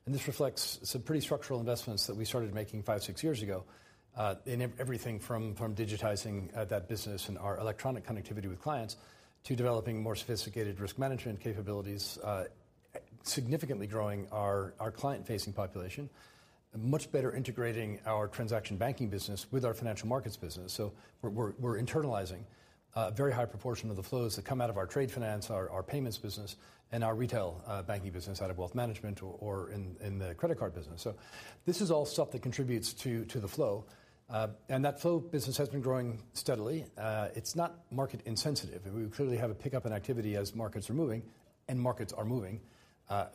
This reflects some pretty structural investments that we started making five or six years ago in everything from digitizing that business and our electronic connectivity with clients, to developing more sophisticated risk management capabilities, significantly growing our client-facing population. Much better integrating our transaction banking business with our financial markets business. We're internalizing a very high proportion of the flows that come out of our trade finance, our payments business, and our retail banking business out of wealth management or in the credit card business. This is all stuff that contributes to the flow. That flow business has been growing steadily. It's not market insensitive. We clearly have a pickup in activity as markets are moving and markets are moving.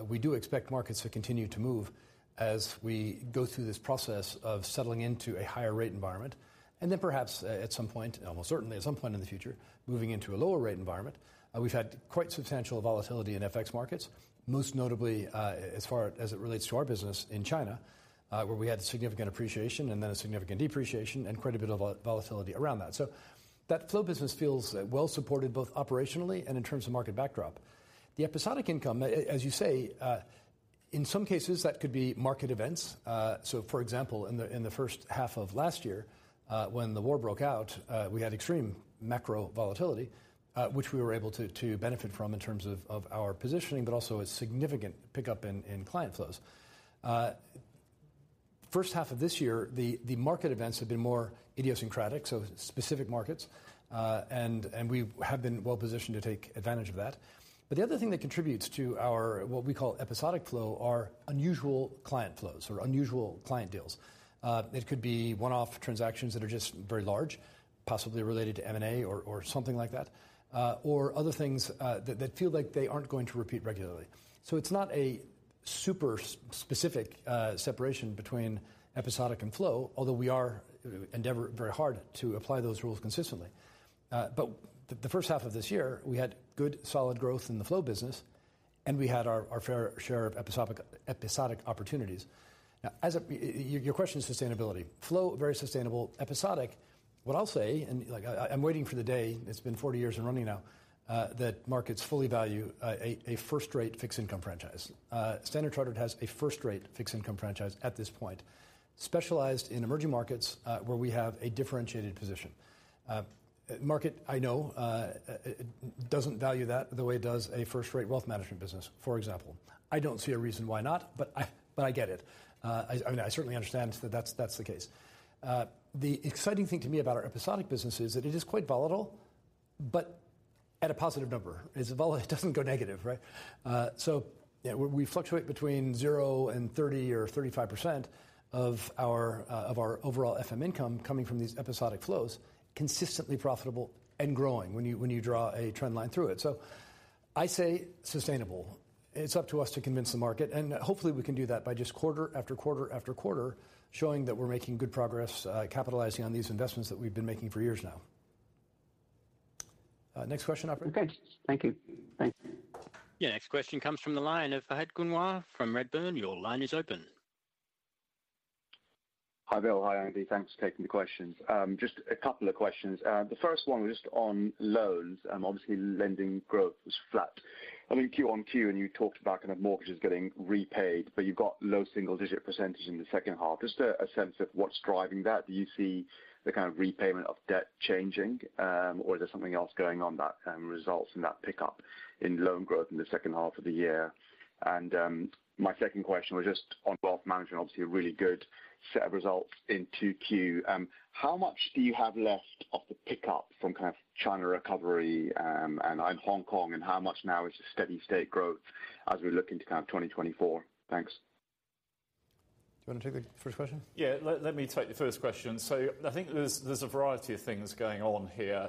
We do expect markets to continue to move as we go through this process of settling into a higher rate environment, and then perhaps, at some point, almost certainly at some point in the future, moving into a lower rate environment. We've had quite substantial volatility in FX markets, most notably, as far as it relates to our business in China, where we had significant appreciation and then a significant depreciation and quite a bit of volatility around that. That flow business feels well supported, both operationally and in terms of market backdrop. The episodic income, as you say, in some cases that could be market events. For example, in the, in the first half of last year, when the war broke out, we had extreme macro volatility, which we were able to, to benefit from in terms of, of our positioning, but also a significant pickup in, in client flows. First half of this year, the, the market events have been more idiosyncratic, so specific markets, and, and we have been well positioned to take advantage of that. The other thing that contributes to our, what we call episodic flow, are unusual client flows or unusual client deals. It could be one-off transactions that are just very large, possibly related to M&A or, or something like that, or other things, that, that feel like they aren't going to repeat regularly. It's not a... super specific separation between episodic and flow, although we are endeavor very hard to apply those rules consistently. But the first half of this year, we had good, solid growth in the flow business, and we had our fair share of episodic opportunities. Now, your question is sustainability. Flow, very sustainable. Episodic. What I'll say, and, like, I, I'm waiting for the day, it's been 40 years and running now, that markets fully value a first-rate fixed income franchise. Standard Chartered has a first-rate fixed income franchise at this point, specialized in emerging markets, where we have a differentiated position. Market, I know, it doesn't value that the way it does a first-rate wealth management business, for example. I don't see a reason why not, but I get it. I mean, I certainly understand that that's, that's the case. The exciting thing to me about our episodic business is that it is quite volatile, but at a positive number. It's volatile, it doesn't go negative, right? Yeah, we, we fluctuate between 0 and 30 or 35% of our, of our overall FM income coming from these episodic flows, consistently profitable and growing when you, when you draw a trend line through it. I say sustainable. It's up to us to convince the market, and hopefully, we can do that by just quarter after quarter after quarter, showing that we're making good progress, capitalizing on these investments that we've been making for years now. Next question, Operator? Okay. Thank you. Thanks. Yeah, next question comes from the line of Fahed Kunwar from Redburn. Your line is open. Hi, Bill. Hi, Andy. Thanks for taking the questions. Just a couple of questions. The first one was just on loans, and obviously lending growth was flat. I mean, quarter-on-quarter, and you talked about mortgages getting repaid, but you've got low single-digit percentage in the second half. Just a sense of what's driving that? Do you see the repayment of debt changing, or there's something else going on that results in that pickup in loan growth in the second half of the year? My second question was just on wealth management. Obviously, a really good set of results in Q2. How much do you have left of the pickup from kind of China recovery, and Hong Kong, and how much now is just steady state growth as we look into kind of 2024? Thanks. Do you want to take the first question? Yeah, let, let me take the first question. I think there's a variety of things going on here.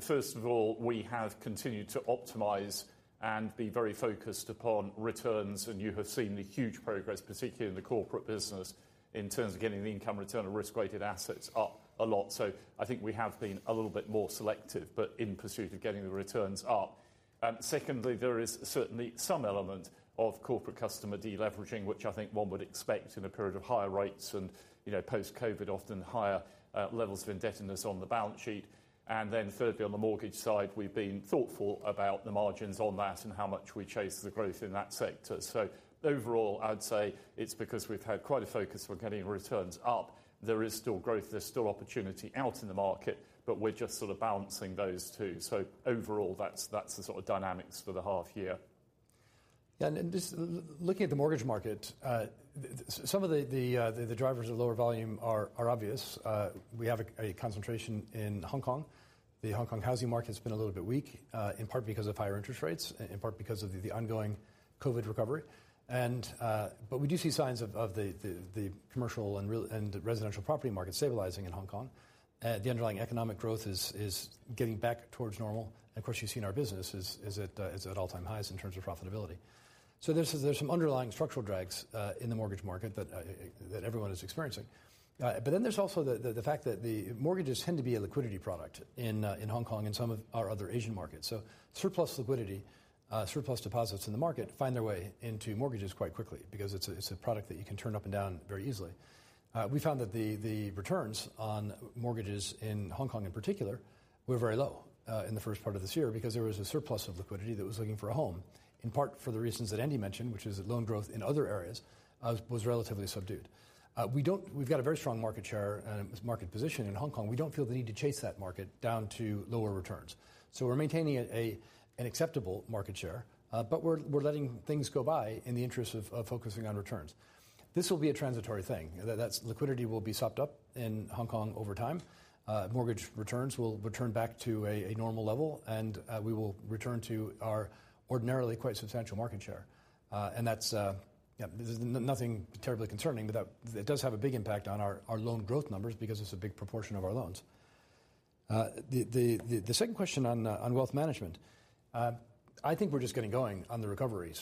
First of all, we have continued to optimize and be very focused upon returns, and you have seen the huge progress, particularly in the corporate business, in terms of getting the income return on risk-weighted assets up a lot. I think we have been a little bit more selective, but in pursuit of getting the returns up. Secondly, there is certainly some element of corporate customer deleveraging, which I think one would expect in a period of higher rates and, you know, post-COVID, often higher levels of indebtedness on the balance sheet. Thirdly, on the mortgage side, we've been thoughtful about the margins on that and how much we chase the growth in that sector. Overall, I'd say it's because we've had quite a focus on getting returns up. There is still growth, there's still opportunity out in the market, but we're just sort of balancing those two. Overall, that's, that's the sort of dynamics for the half-year. Then just looking at the mortgage market, some of the, the, the drivers of lower volume are obvious. We have a concentration in Hong Kong. The Hong Kong housing market has been a little bit weak, in part because of higher interest rates, in part because of the ongoing COVID recovery. We do see signs of the, the, the commercial and real, and residential property market stabilizing in Hong Kong. The underlying economic growth is getting back towards normal. Of course, you've seen our business is at all-time highs in terms of profitability. There's some underlying structural drags in the mortgage market that everyone is experiencing. Then there's also the, the, the fact that the mortgages tend to be a liquidity product in Hong Kong and some of our other Asian markets. Surplus liquidity, surplus deposits in the market find their way into mortgages quite quickly because it's a, it's a product that you can turn up and down very easily. We found that the, the returns on mortgages in Hong Kong, in particular, were very low in the first part of this year because there was a surplus of liquidity that was looking for a home, in part for the reasons that Andy mentioned, which is that loan growth in other areas was relatively subdued. We don't. We've got a very strong market share and market position in Hong Kong. We don't feel the need to chase that market down to lower returns. We're maintaining an acceptable market share, but we're letting things go by in the interest of focusing on returns. This will be a transitory thing. Liquidity will be absorbed in Hong Kong over time. Mortgage returns will return back to a normal level, and we will return to our ordinarily quite substantial market share. And that's yeah, nothing terribly concerning, but that does have a big impact on our loan growth numbers because it's a big proportion of our loans. The second question on wealth management. I think we're just getting going on the recovery.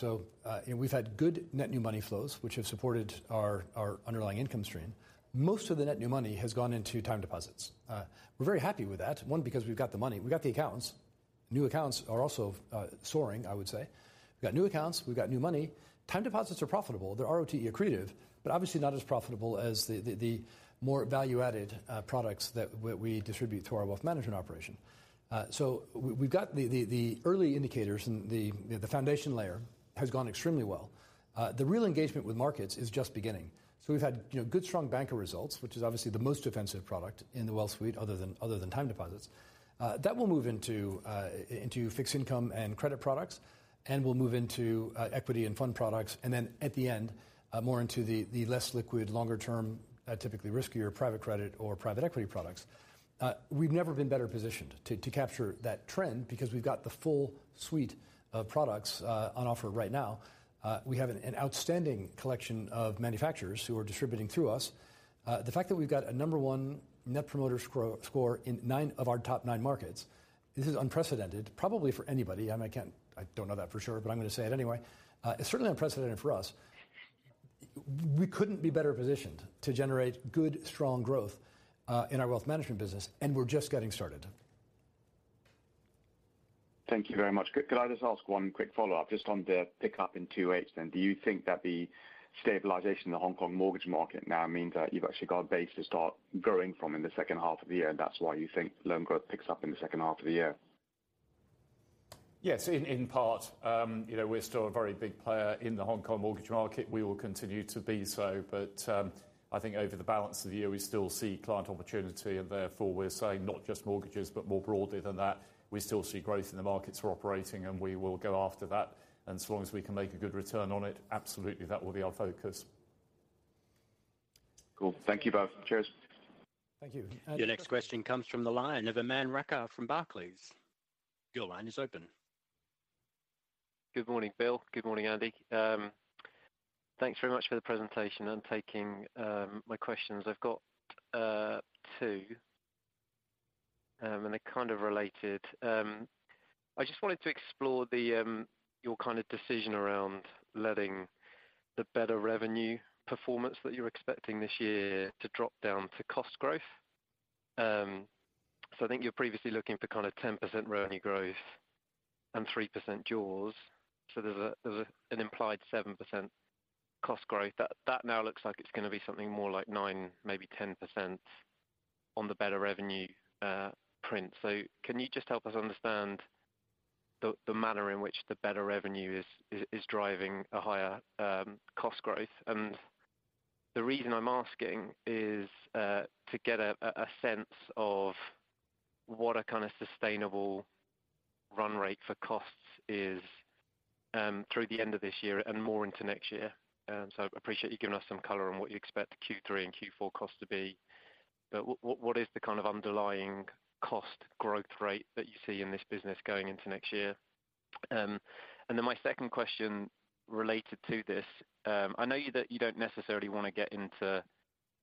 And we've had good net new money flows, which have supported our underlying income stream. Most of the net new money has gone into time deposits. We're very happy with that. One, because we've got the money, we've got the accounts. New accounts are also soaring, I would say. We've got new accounts, we've got new money. Time deposits are profitable, they're RoTE- accretive, but obviously not as profitable as the more value-added products that we distribute to our wealth management operation. We've got the early indicators, and the foundation layer has gone extremely well. The real engagement with markets is just beginning. We've had, you know, good, strong banker results, which is obviously the most defensive product in the wealth suite, other than time deposits. That will move into fixed income and credit products and will move into equity and fund products, and then at the end, more into the, the less liquid, longer-term, typically riskier private credit or private equity products. We've never been better positioned to, to capture that trend because we've got the full suite of products on offer right now. We have an outstanding collection of manufacturers who are distributing through us. The fact that we've got a number one Net Promoter Score, score in nine of our top nine markets, this is unprecedented, probably for anybody. I mean, I can't, I don't know that for sure, but I'm going to say it anyway. It's certainly unprecedented for us. we couldn't be better positioned to generate good, strong growth, in our wealth management business, and we're just getting started. Thank you very much. Could I just ask one quick follow-up, just on the pickup in second half, then? Do you think that the stabilization in the Hong Kong mortgage market now means that you've actually got a base to start growing from in the second half of the year, and that's why you think loan growth picks up in the second half of the year? Yes, in, in part. You know, we're still a very big player in the Hong Kong mortgage market. We will continue to be so. I think over the balance of the year, we still see client opportunity, and therefore we're saying not just mortgages, but more broadly than that, we still see growth in the markets we're operating in, and we will go after that, and as long as we can make a good return on it, absolutely that will be our focus. Cool. Thank you both. Cheers. Thank you. Your next question comes from the line of Aman Rakkar from Barclays. Your line is open. Good morning, Bill. Good morning, Andy. Thanks very much for the presentation. I'm taking my questions. I've got two, and they're kind of related. I just wanted to explore the your kind of decision around letting the better revenue performance that you're expecting this year to drop down to cost growth. So I think you're previously looking for kind of 10% revenue growth and 3% jaws. So there's an implied 7% cost growth. That now looks like it's going to be something more like nine, maybe 10% on the better revenue print. So can you just help us understand the manner in which the better revenue is driving a higher cost growth? The reason I'm asking is to get a sense of what a kind of sustainable run rate for costs is through the end of this year and more into next year. Appreciate you giving us some color on what you expect Q3 and Q4 costs to be. What is the kind of underlying cost growth rate that you see in this business going into next year? My second question related to this. I know you don't necessarily want to get into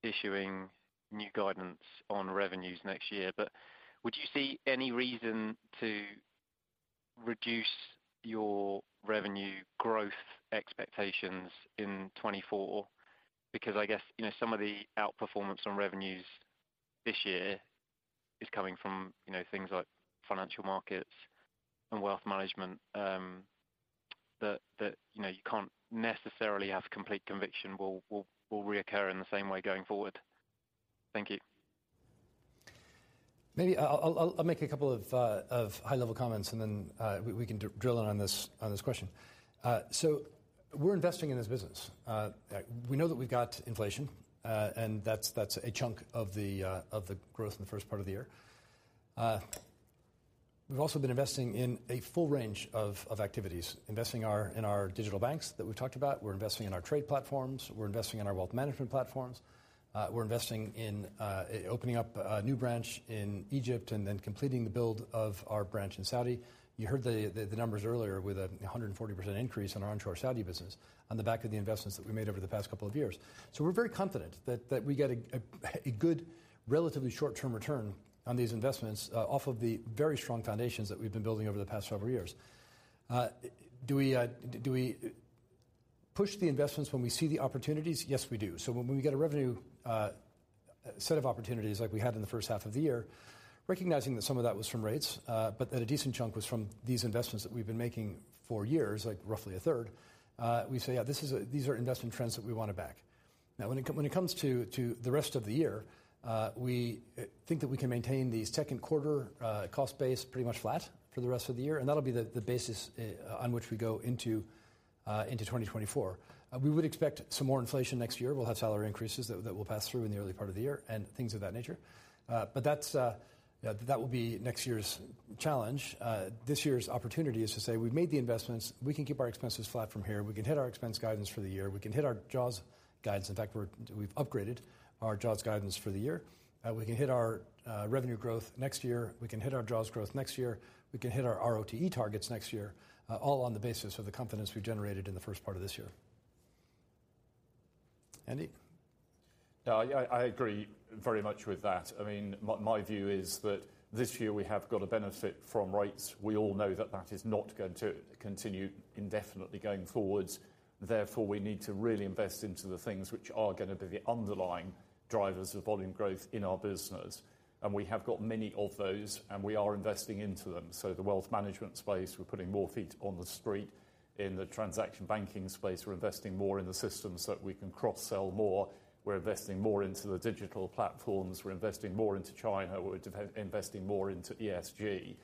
issuing new guidance on revenues next year, but would you see any reason to reduce your revenue growth expectations in 2024? I guess, you know, some of the outperformance on revenues this year is coming from, you know, things like financial markets and wealth management, that, that, you know, you can't necessarily have complete conviction will, will, will reoccur in the same way going forward. Thank you. Maybe I'll, I'll, I'll make a couple of high-level comments, and then we, we can drill in on this, on this question. So we're investing in this business. We know that we've got inflation, and that's, that's a chunk of the growth in the first part of the year. We've also been investing in a full range of activities, investing in our digital banks that we've talked about. We're investing in our trade platforms, we're investing in our wealth management platforms, we're investing in opening up a new branch in Egypt and then completing the build of our branch in Saudi. You heard the, the, the numbers earlier with a 140% increase in our onshore Saudi business on the back of the investments that we made over the past couple of years. We're very confident that we get a good, relatively short-term return on these investments, off of the very strong foundations that we've been building over the past several years. Do we push the investments when we see the opportunities? Yes, we do. When we get a revenue set of opportunities like we had in the first half of the year, recognizing that some of that was from rates, but that a decent chunk was from these investments that we've been making for years, like roughly a third, we say, yeah, these are investment trends that we want to back. When it come, when it comes to, to the rest of the year, we think that we can maintain the second quarter cost base pretty much flat for the rest of the year, and that'll be the, the basis on which we go into 2024. We would expect some more inflation next year. We'll have salary increases that, that will pass through in the early part of the year and things of that nature. That's, yeah, that will be next year's challenge. This year's opportunity is to say: We've made the investments. We can keep our expenses flat from here. We can hit our expense guidance for the year. We can hit our jaws guidance. In fact, we're-- we've upgraded our jaws guidance for the year. We can hit our revenue growth next year. We can hit our jaws growth next year. We can hit our RoTE targets next year, all on the basis of the confidence we generated in the first part of this year. Andy? Yeah, I, I agree very much with that. I mean, my, my view is that this year we have got a benefit from rates. We all know that that is not going to continue indefinitely going forwards. Therefore, we need to really invest into the things which are going to be the underlying drivers of volume growth in our business. We have got many of those, and we are investing into them. The wealth management space, we're putting more feet on the street. In the transaction banking space, we're investing more in the systems that we can cross-sell more. We're investing more into the digital platforms. We're investing more into China. We're investing more into ESG.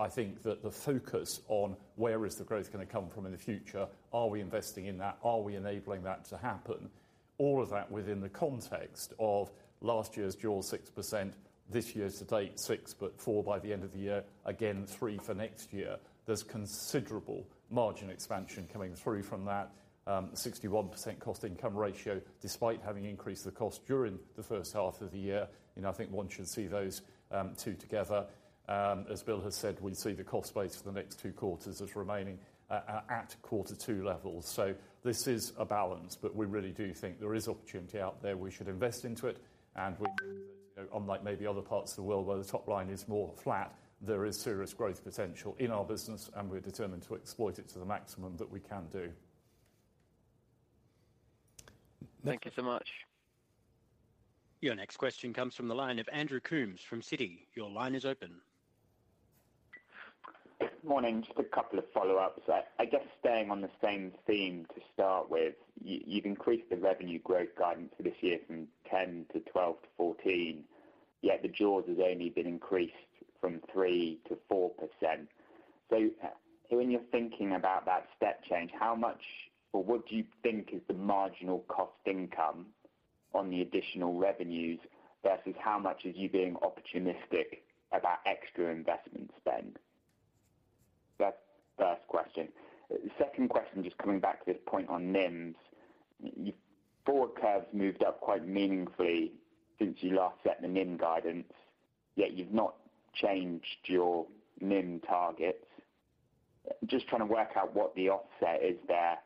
I think that the focus on where is the growth going to come from in the future, are we investing in that? Are we enabling that to happen? All of that within the context of last year's dual 6%, this year to date, 6, but four by the end of the year, again, thre for next year. There's considerable margin expansion coming through from that, 61% cost-to-income ratio, despite having increased the cost during the first half of the year, and I think one should see those two together. As Bill has said, we see the cost base for the next two quarters as remaining at Q2 levels. This is a balance, but we really do think there is opportunity out there. We should invest into it, unlike maybe other parts of the world where the top line is more flat, there is serious growth potential in our business, and we're determined to exploit it to the maximum that we can do. Thank you so much. Your next question comes from the line of Andrew Coombs from Citi. Your line is open. Good morning. Just a couple of follow-ups. I guess staying on the same theme to start with, you've increased the revenue growth guidance for this year from 10%-12% to 14%, yet the jaws has only been increased from 3%-4%. When you're thinking about that step change, how much or what do you think is the marginal cost income on the additional revenues, versus how much is you being opportunistic about extra investment spend? That's the first question. The second question, just coming back to this point on NIM. Forward curves moved up quite meaningfully since you last set the NIM guidance, yet you've not changed your NIM targets. Just trying to work out what the offset is there,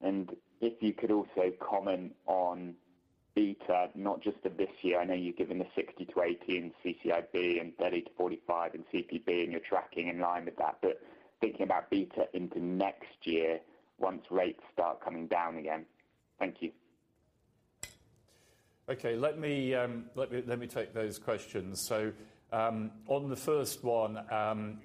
and if you could also comment on beta, not just of this year. I know you've given the 60%-80% in CCIB and 30%-45% in CPB, and you're tracking in line with that. Thinking about beta into next year, once rates start coming down again. Thank you. Okay, let me, let me, let me take those questions. On the first one,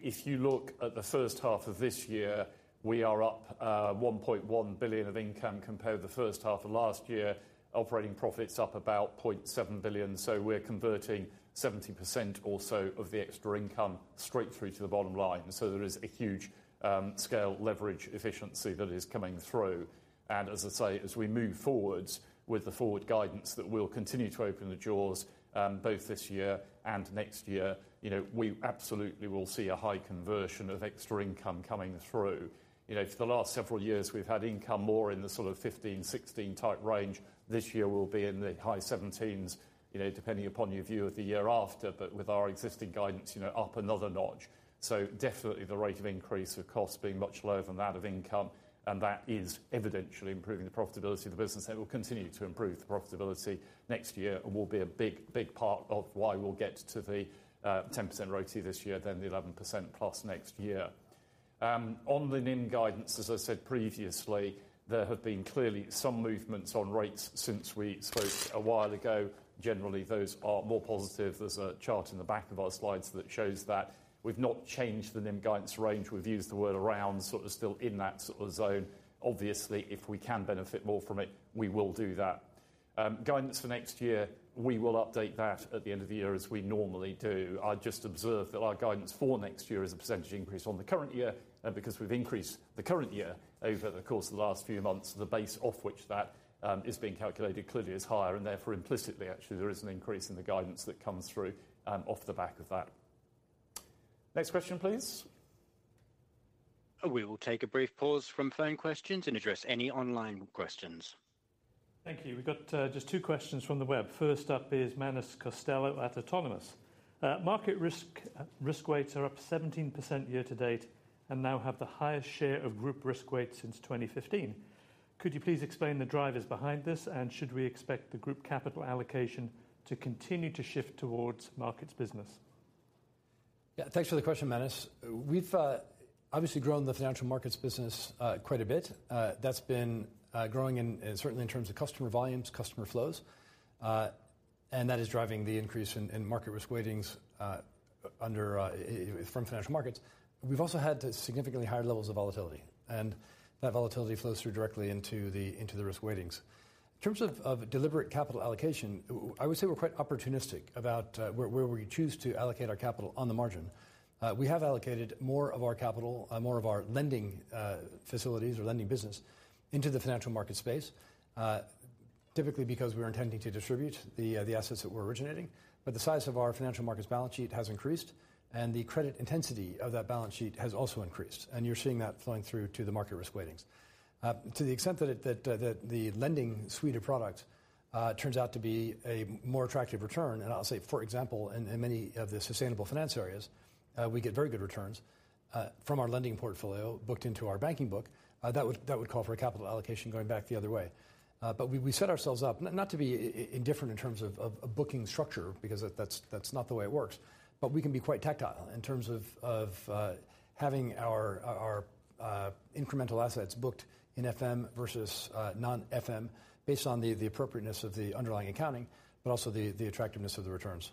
if you look at the first half of this year, we are up $1.1 billion of income compared to the first half of last year. Operating profit's up about $0.7 billion, so we're converting 70% or so of the extra income straight through to the bottom line. There is a huge scale, leverage, efficiency that is coming through. As I say, as we move forwards with the forward guidance, that we'll continue to open the jaws both this year and next year. You know, we absolutely will see a high conversion of extra income coming through. You know, for the last several years, we've had income more in the sort of 15%-16% range. This year will be in the high 17s, you know, depending upon your view of the year after, but with our existing guidance, you know, up another notch. Definitely the rate of increase of costs being much lower than that of income, and that is evidently improving the profitability of the business, and will continue to improve the profitability next year, and will be a big, big part of why we'll get to the 10% RoTE this year, then the 11%+ next year. On the NIM guidance, as I said previously, there have been clearly some movements on rates since we spoke a while ago. Generally, those are more positive. There's a chart in the back of our slides that shows that. We've not changed the NIM guidance range. We've used the word around, sort of, still in that sort of zone. Obviously, if we can benefit more from it, we will do that. Guidance for next year, we will update that at the end of the year, as we normally do. I'd just observe that our guidance for next year is a percentage increase on the current year, because we've increased the current year over the course of the last few months, the base off which that is being calculated clearly is higher and therefore implicitly, actually, there is an increase in the guidance that comes through off the back of that. Next question, please. We will take a brief pause from phone questions and address any online questions. Thank you. We've got, just two questions from the web. First up is Manus Costello at Autonomous. market risk, risk weights are up 17% year to date and now have the highest share of group risk weights since 2015. Could you please explain the drivers behind this, and should we expect the group capital allocation to continue to shift towards markets business? Yeah, thanks for the question, Manus. We've obviously grown the financial markets business quite a bit. That's been growing in, in certainly in terms of customer volumes, customer flows, and that is driving the increase in, in market risk weightings under from financial markets. We've also had significantly higher levels of volatility, and that volatility flows through directly into the, into the risk weightings. In terms of, of deliberate capital allocation, I would say we're quite opportunistic about where, where we choose to allocate our capital on the margin. We have allocated more of our capital, more of our lending facilities or lending business into the financial markets space, typically because we're intending to distribute the assets that we're originating. The size of our financial markets balance sheet has increased, and the credit intensity of that balance sheet has also increased, and you're seeing that flowing through to the market risk weightings. To the extent that, that, the lending suite of products, turns out to be a more attractive return, and I'll say, for example, in, in many of the sustainable finance areas, we get very good returns, from our lending portfolio booked into our banking book. That would, that would call for a capital allocation going back the other way. We, we set ourselves up not to be indifferent in terms of, of a booking structure, because that's, that's not the way it works. We can be quite tactical in terms of, of, having our, our, incremental assets booked in FM versus, non-FM, based on the, the appropriateness of the underlying accounting, but also the, the attractiveness of the returns.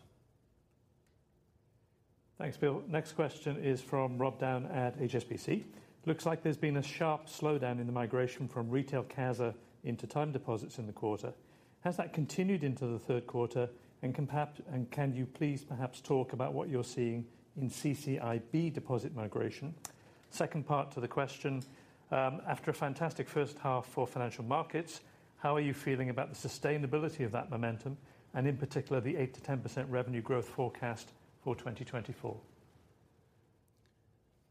Thanks, Bill. Next question is from Robin Down at HSBC. Looks like there's been a sharp slowdown in the migration from retail CASA into time deposits in the quarter. Has that continued into the third quarter, and can you please perhaps talk about what you're seeing in CCIB deposit migration? Second part to the question, after a fantastic first half for financial markets, how are you feeling about the sustainability of that momentum, and in particular, the 8%-10% revenue growth forecast for 2024?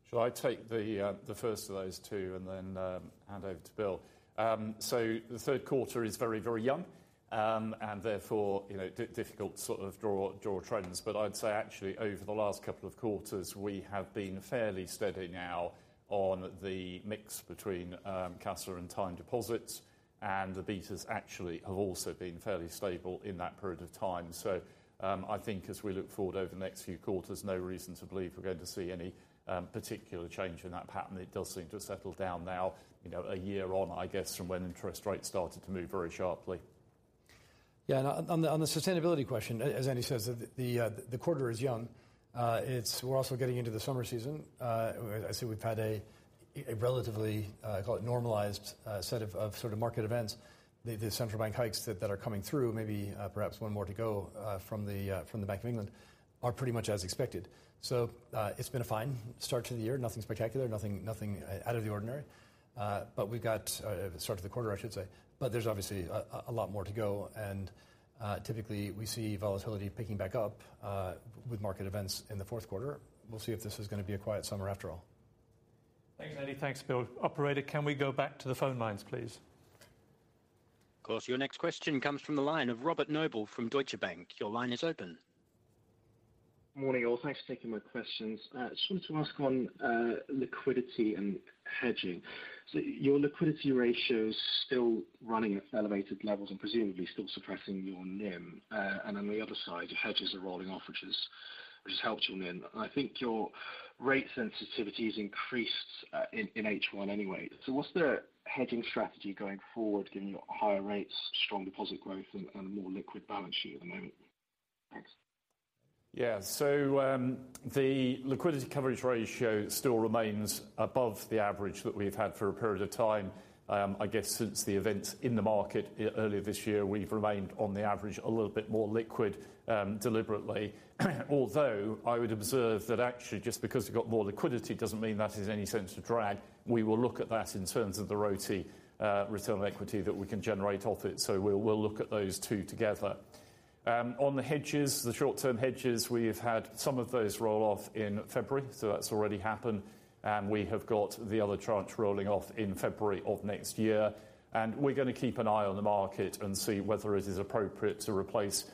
Shall I take the first of those two and then hand over to Bill? The third quarter is very, very young, and therefore, you know, difficult to sort of draw, draw trends. But I'd say actually over the last couple of quarters, we have been fairly steady now on the mix between CASA and time deposits, and the betas actually have also been fairly stable in that period of time. I think as we look forward over the next few quarters, no reason to believe we're going to see any particular change in that pattern. It does seem to have settled down now, you know, a year on, I guess, from when interest rates started to move very sharply. Yeah, on the, on the sustainability question, as Andy says, the, the, the quarter is young. We're also getting into the summer season. I see we've had a, a relatively, call it normalized, set of, of sort of market events. The, the central bank hikes that, that are coming through, maybe, perhaps one more to go, from the, from the Bank of England, are pretty much as expected. It's been a fine start to the year. Nothing spectacular, nothing, nothing out of the ordinary. We've got, start to the quarter, I should say. There's obviously a, a, a lot more to go and, typically we see volatility picking back up, with market events in the fourth quarter. We'll see if this is gonna be a quiet summer after all. Thanks, Andy. Thanks, Bill. Operator, can we go back to the phone lines, please? Of course. Your next question comes from the line of Robert Noble from Deutsche Bank. Your line is open. Morning, all. Thanks for taking my questions. Just wanted to ask on liquidity and hedging. Your liquidity ratio is still running at elevated levels and presumably still suppressing your NIM. On the other side, your hedges are rolling off, which has helped your NIM. I think your rate sensitivity has increased in first half anyway. What's the hedging strategy going forward, given your higher rates, strong deposit growth and a more liquid balance sheet at the moment? Thanks. Yeah. The liquidity coverage ratio still remains above the average that we've had for a period of time. I guess since the events in the market earlier this year, we've remained on the average, a little bit more liquid, deliberately. I would observe that actually, just because we've got more liquidity doesn't mean that is any sense of drag. We will look at that in terms of the RoTE, return on equity that we can generate off it, we'll, we'll look at those two together. On the hedges, the short-term hedges, we've had some of those roll off in February, that's already happened. We have got the other tranche rolling off in February of next year, and we're gonna keep an eye on the market and see whether it is appropriate to replace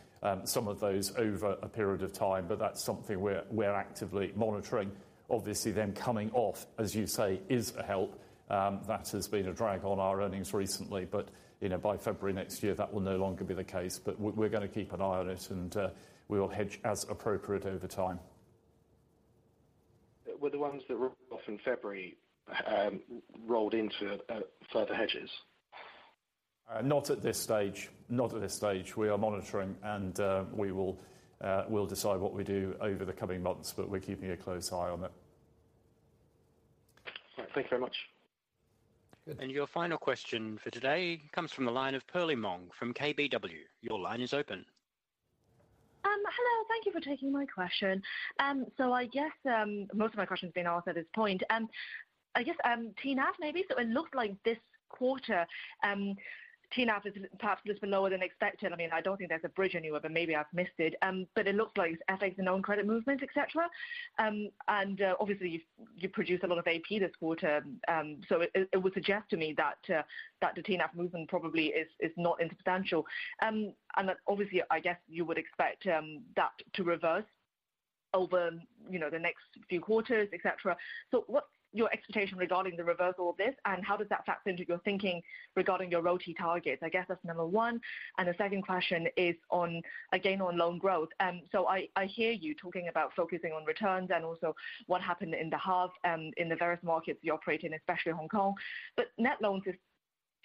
some of those over a period of time. That's something we're, we're actively monitoring. Obviously, them coming off, as you say, is a help. That has been a drag on our earnings recently, but, you know, by February next year, that will no longer be the case. We're, we're gonna keep an eye on it, and we will hedge as appropriate over time. Were the ones that were off in February, rolled into further hedges? Not at this stage. Not at this stage. We are monitoring, and, we will, we'll decide what we do over the coming months, but we're keeping a close eye on it. All right. Thank you very much. Your final question for today comes from the line of Perlie Mong from KBW. Your line is open. Hello, thank you for taking my question. I guess, most of my question's been asked at this point. I guess, TNAV, maybe. It looked like this quarter, TNAV is perhaps just been lower than expected. I mean, I don't think there's a bridge anywhere, but maybe I've missed it. It looks like FX and known credit movements, etc. Obviously, you, you produce a lot of AP this quarter, so it, it would suggest to me that the TNAV movement probably is, is not insubstantial. Obviously, I guess you would expect that to reverse over, you know, the next few quarters, et cetera. What's your expectation regarding the reversal of this, and how does that factor into your thinking regarding your RoTE targets? I guess that's number one. The second question is on, again, on loan growth. So I, I hear you talking about focusing on returns and also what happened in the hub, in the various markets you operate in, especially Hong Kong. Net loans is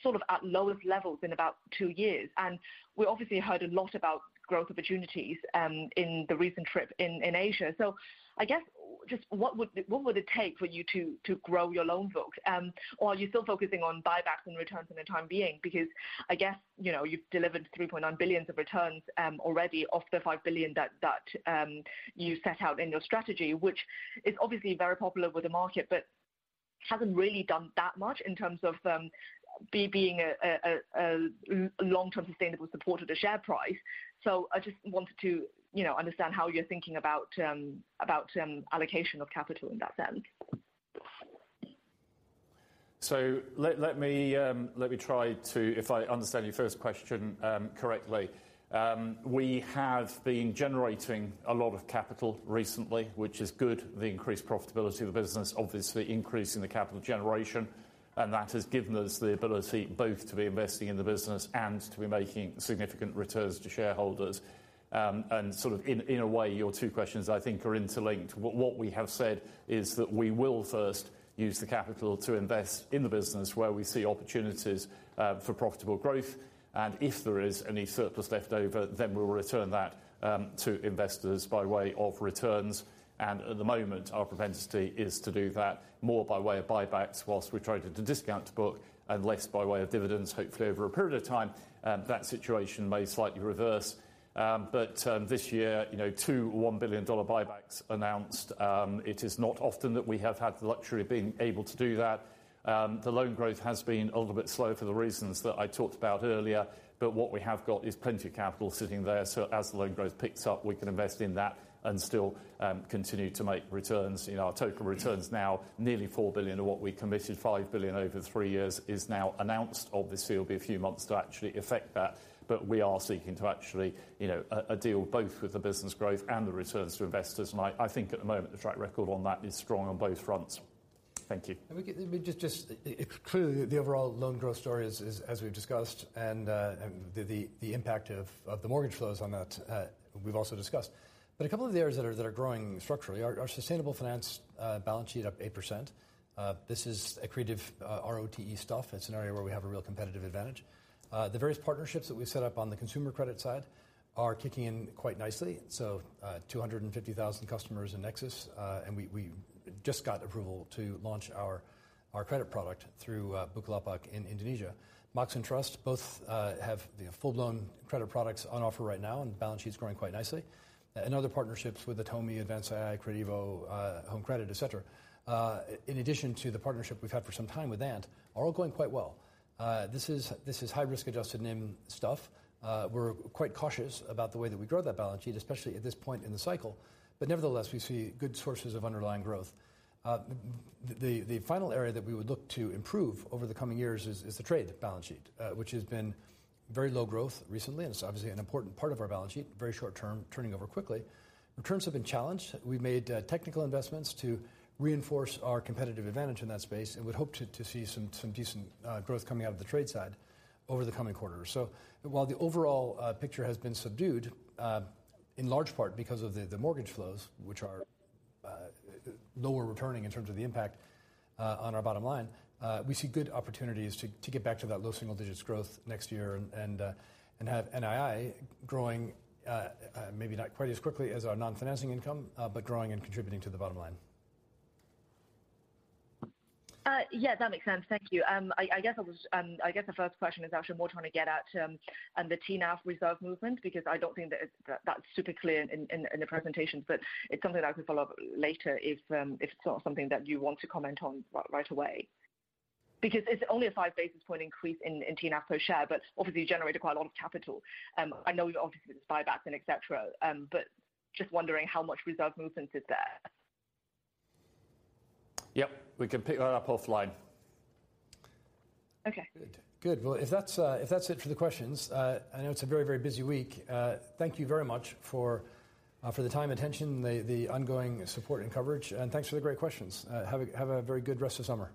sort of at lowest levels in about two years, and we obviously heard a lot about growth opportunities, in the recent trip in, in Asia. I guess, just what would, what would it take for you to, to grow your loan book? Or are you still focusing on buybacks and returns in the time being? I guess, you know, you've delivered $3.9 billion of returns already off the $5 billion that you set out in your strategy, which is obviously very popular with the market, but hasn't really done that much in terms of being a long-term, sustainable support of the share price. I just wanted to, you know, understand how you're thinking about allocation of capital in that sense. Let me try to. If I understand your first question correctly, we have been generating a lot of capital recently, which is good. The increased profitability of the business, obviously increasing the capital generation, and that has given us the ability both to be investing in the business and to be making significant returns to shareholders. Sort of in, in a way, your two questions, I think, are interlinked. What, what we have said is that we will first use the capital to invest in the business where we see opportunities for profitable growth, and if there is any surplus left over, then we'll return that to investors by way of returns. At the moment, our propensity is to do that more by way of buybacks whilst we trade at a discount to book and less by way of dividends. Hopefully, over a period of time, that situation may slightly reverse. This year, you know, two $1 billion buybacks announced. It is not often that we have had the luxury of being able to do that. The loan growth has been a little bit slow for the reasons that I talked about earlier, but what we have got is plenty of capital sitting there, so as the loan growth picks up, we can invest in that and still continue to make returns. You know, our total returns now, nearly $4 billion, and what we committed, $5 billion over three years, is now announced. Obviously, it'll be a few months to actually effect that, but we are seeking to actually, you know, deal both with the business growth and the returns to investors. And I, I think at the moment, the track record on that is strong on both fronts.... Thank you. Let me just, just, clearly, the overall loan growth story is, is as we've discussed, and the, the impact of, of the mortgage flows on that, we've also discussed. A couple of the areas that are, that are growing structurally are, sustainable finance, balance sheet up 8%. This is accretive, RoTE stuff. It's an area where we have a real competitive advantage. The various partnerships that we've set up on the consumer credit side are kicking in quite nicely. 250,000 customers in Nexus, and we, we just got approval to launch our, our credit product through Bukalapak in Indonesia. Mox and Trust both have, you know, full-blown credit products on offer right now, and the balance sheet's growing quite nicely. Other partnerships with Atome, ADVANCE.AI, Kredivo, Home Credit, etc, in addition to the partnership we've had for some time with Ant, are all going quite well. This is, this is high risk-adjusted NIM stuff. We're quite cautious about the way that we grow that balance sheet, especially at this point in the cycle, but nevertheless, we see good sources of underlying growth. The, the final area that we would look to improve over the coming years is, is the trade balance sheet, which has been very low growth recently, and it's obviously an important part of our balance sheet, very short term, turning over quickly. In terms of the challenge, we've made technical investments to reinforce our competitive advantage in that space and would hope to, to see some, some decent growth coming out of the trade side over the coming quarters. So while the overall picture has been subdued, in large part because of the, the mortgage flows, which are lower returning in terms of the impact on our bottom line, we see good opportunities to, to get back to that low single digits growth next year and, and, and have NII growing, maybe not quite as quickly as our non-financing income, but growing and contributing to the bottom line. Yeah, that makes sense. Thank you. I guess the first question is actually more trying to get at, and the TNAV reserve movement, because I don't think that that's super clear in, in, in the presentation, but it's something that I can follow up later if it's not something that you want to comment on right away. It's only a 5 basis point increase in, in TNAV per share, but obviously you generated quite a lot of capital. I know you obviously did buybacks and et cetera, but just wondering how much reserve movement is there? Yep, we can pick that up offline. Okay. Good. Good. Well, if that's, if that's it for the questions, I know it's a very, very busy week. Thank you very much for, for the time and attention, the, the ongoing support and coverage. Thanks for the great questions. Have a, have a very good rest of summer.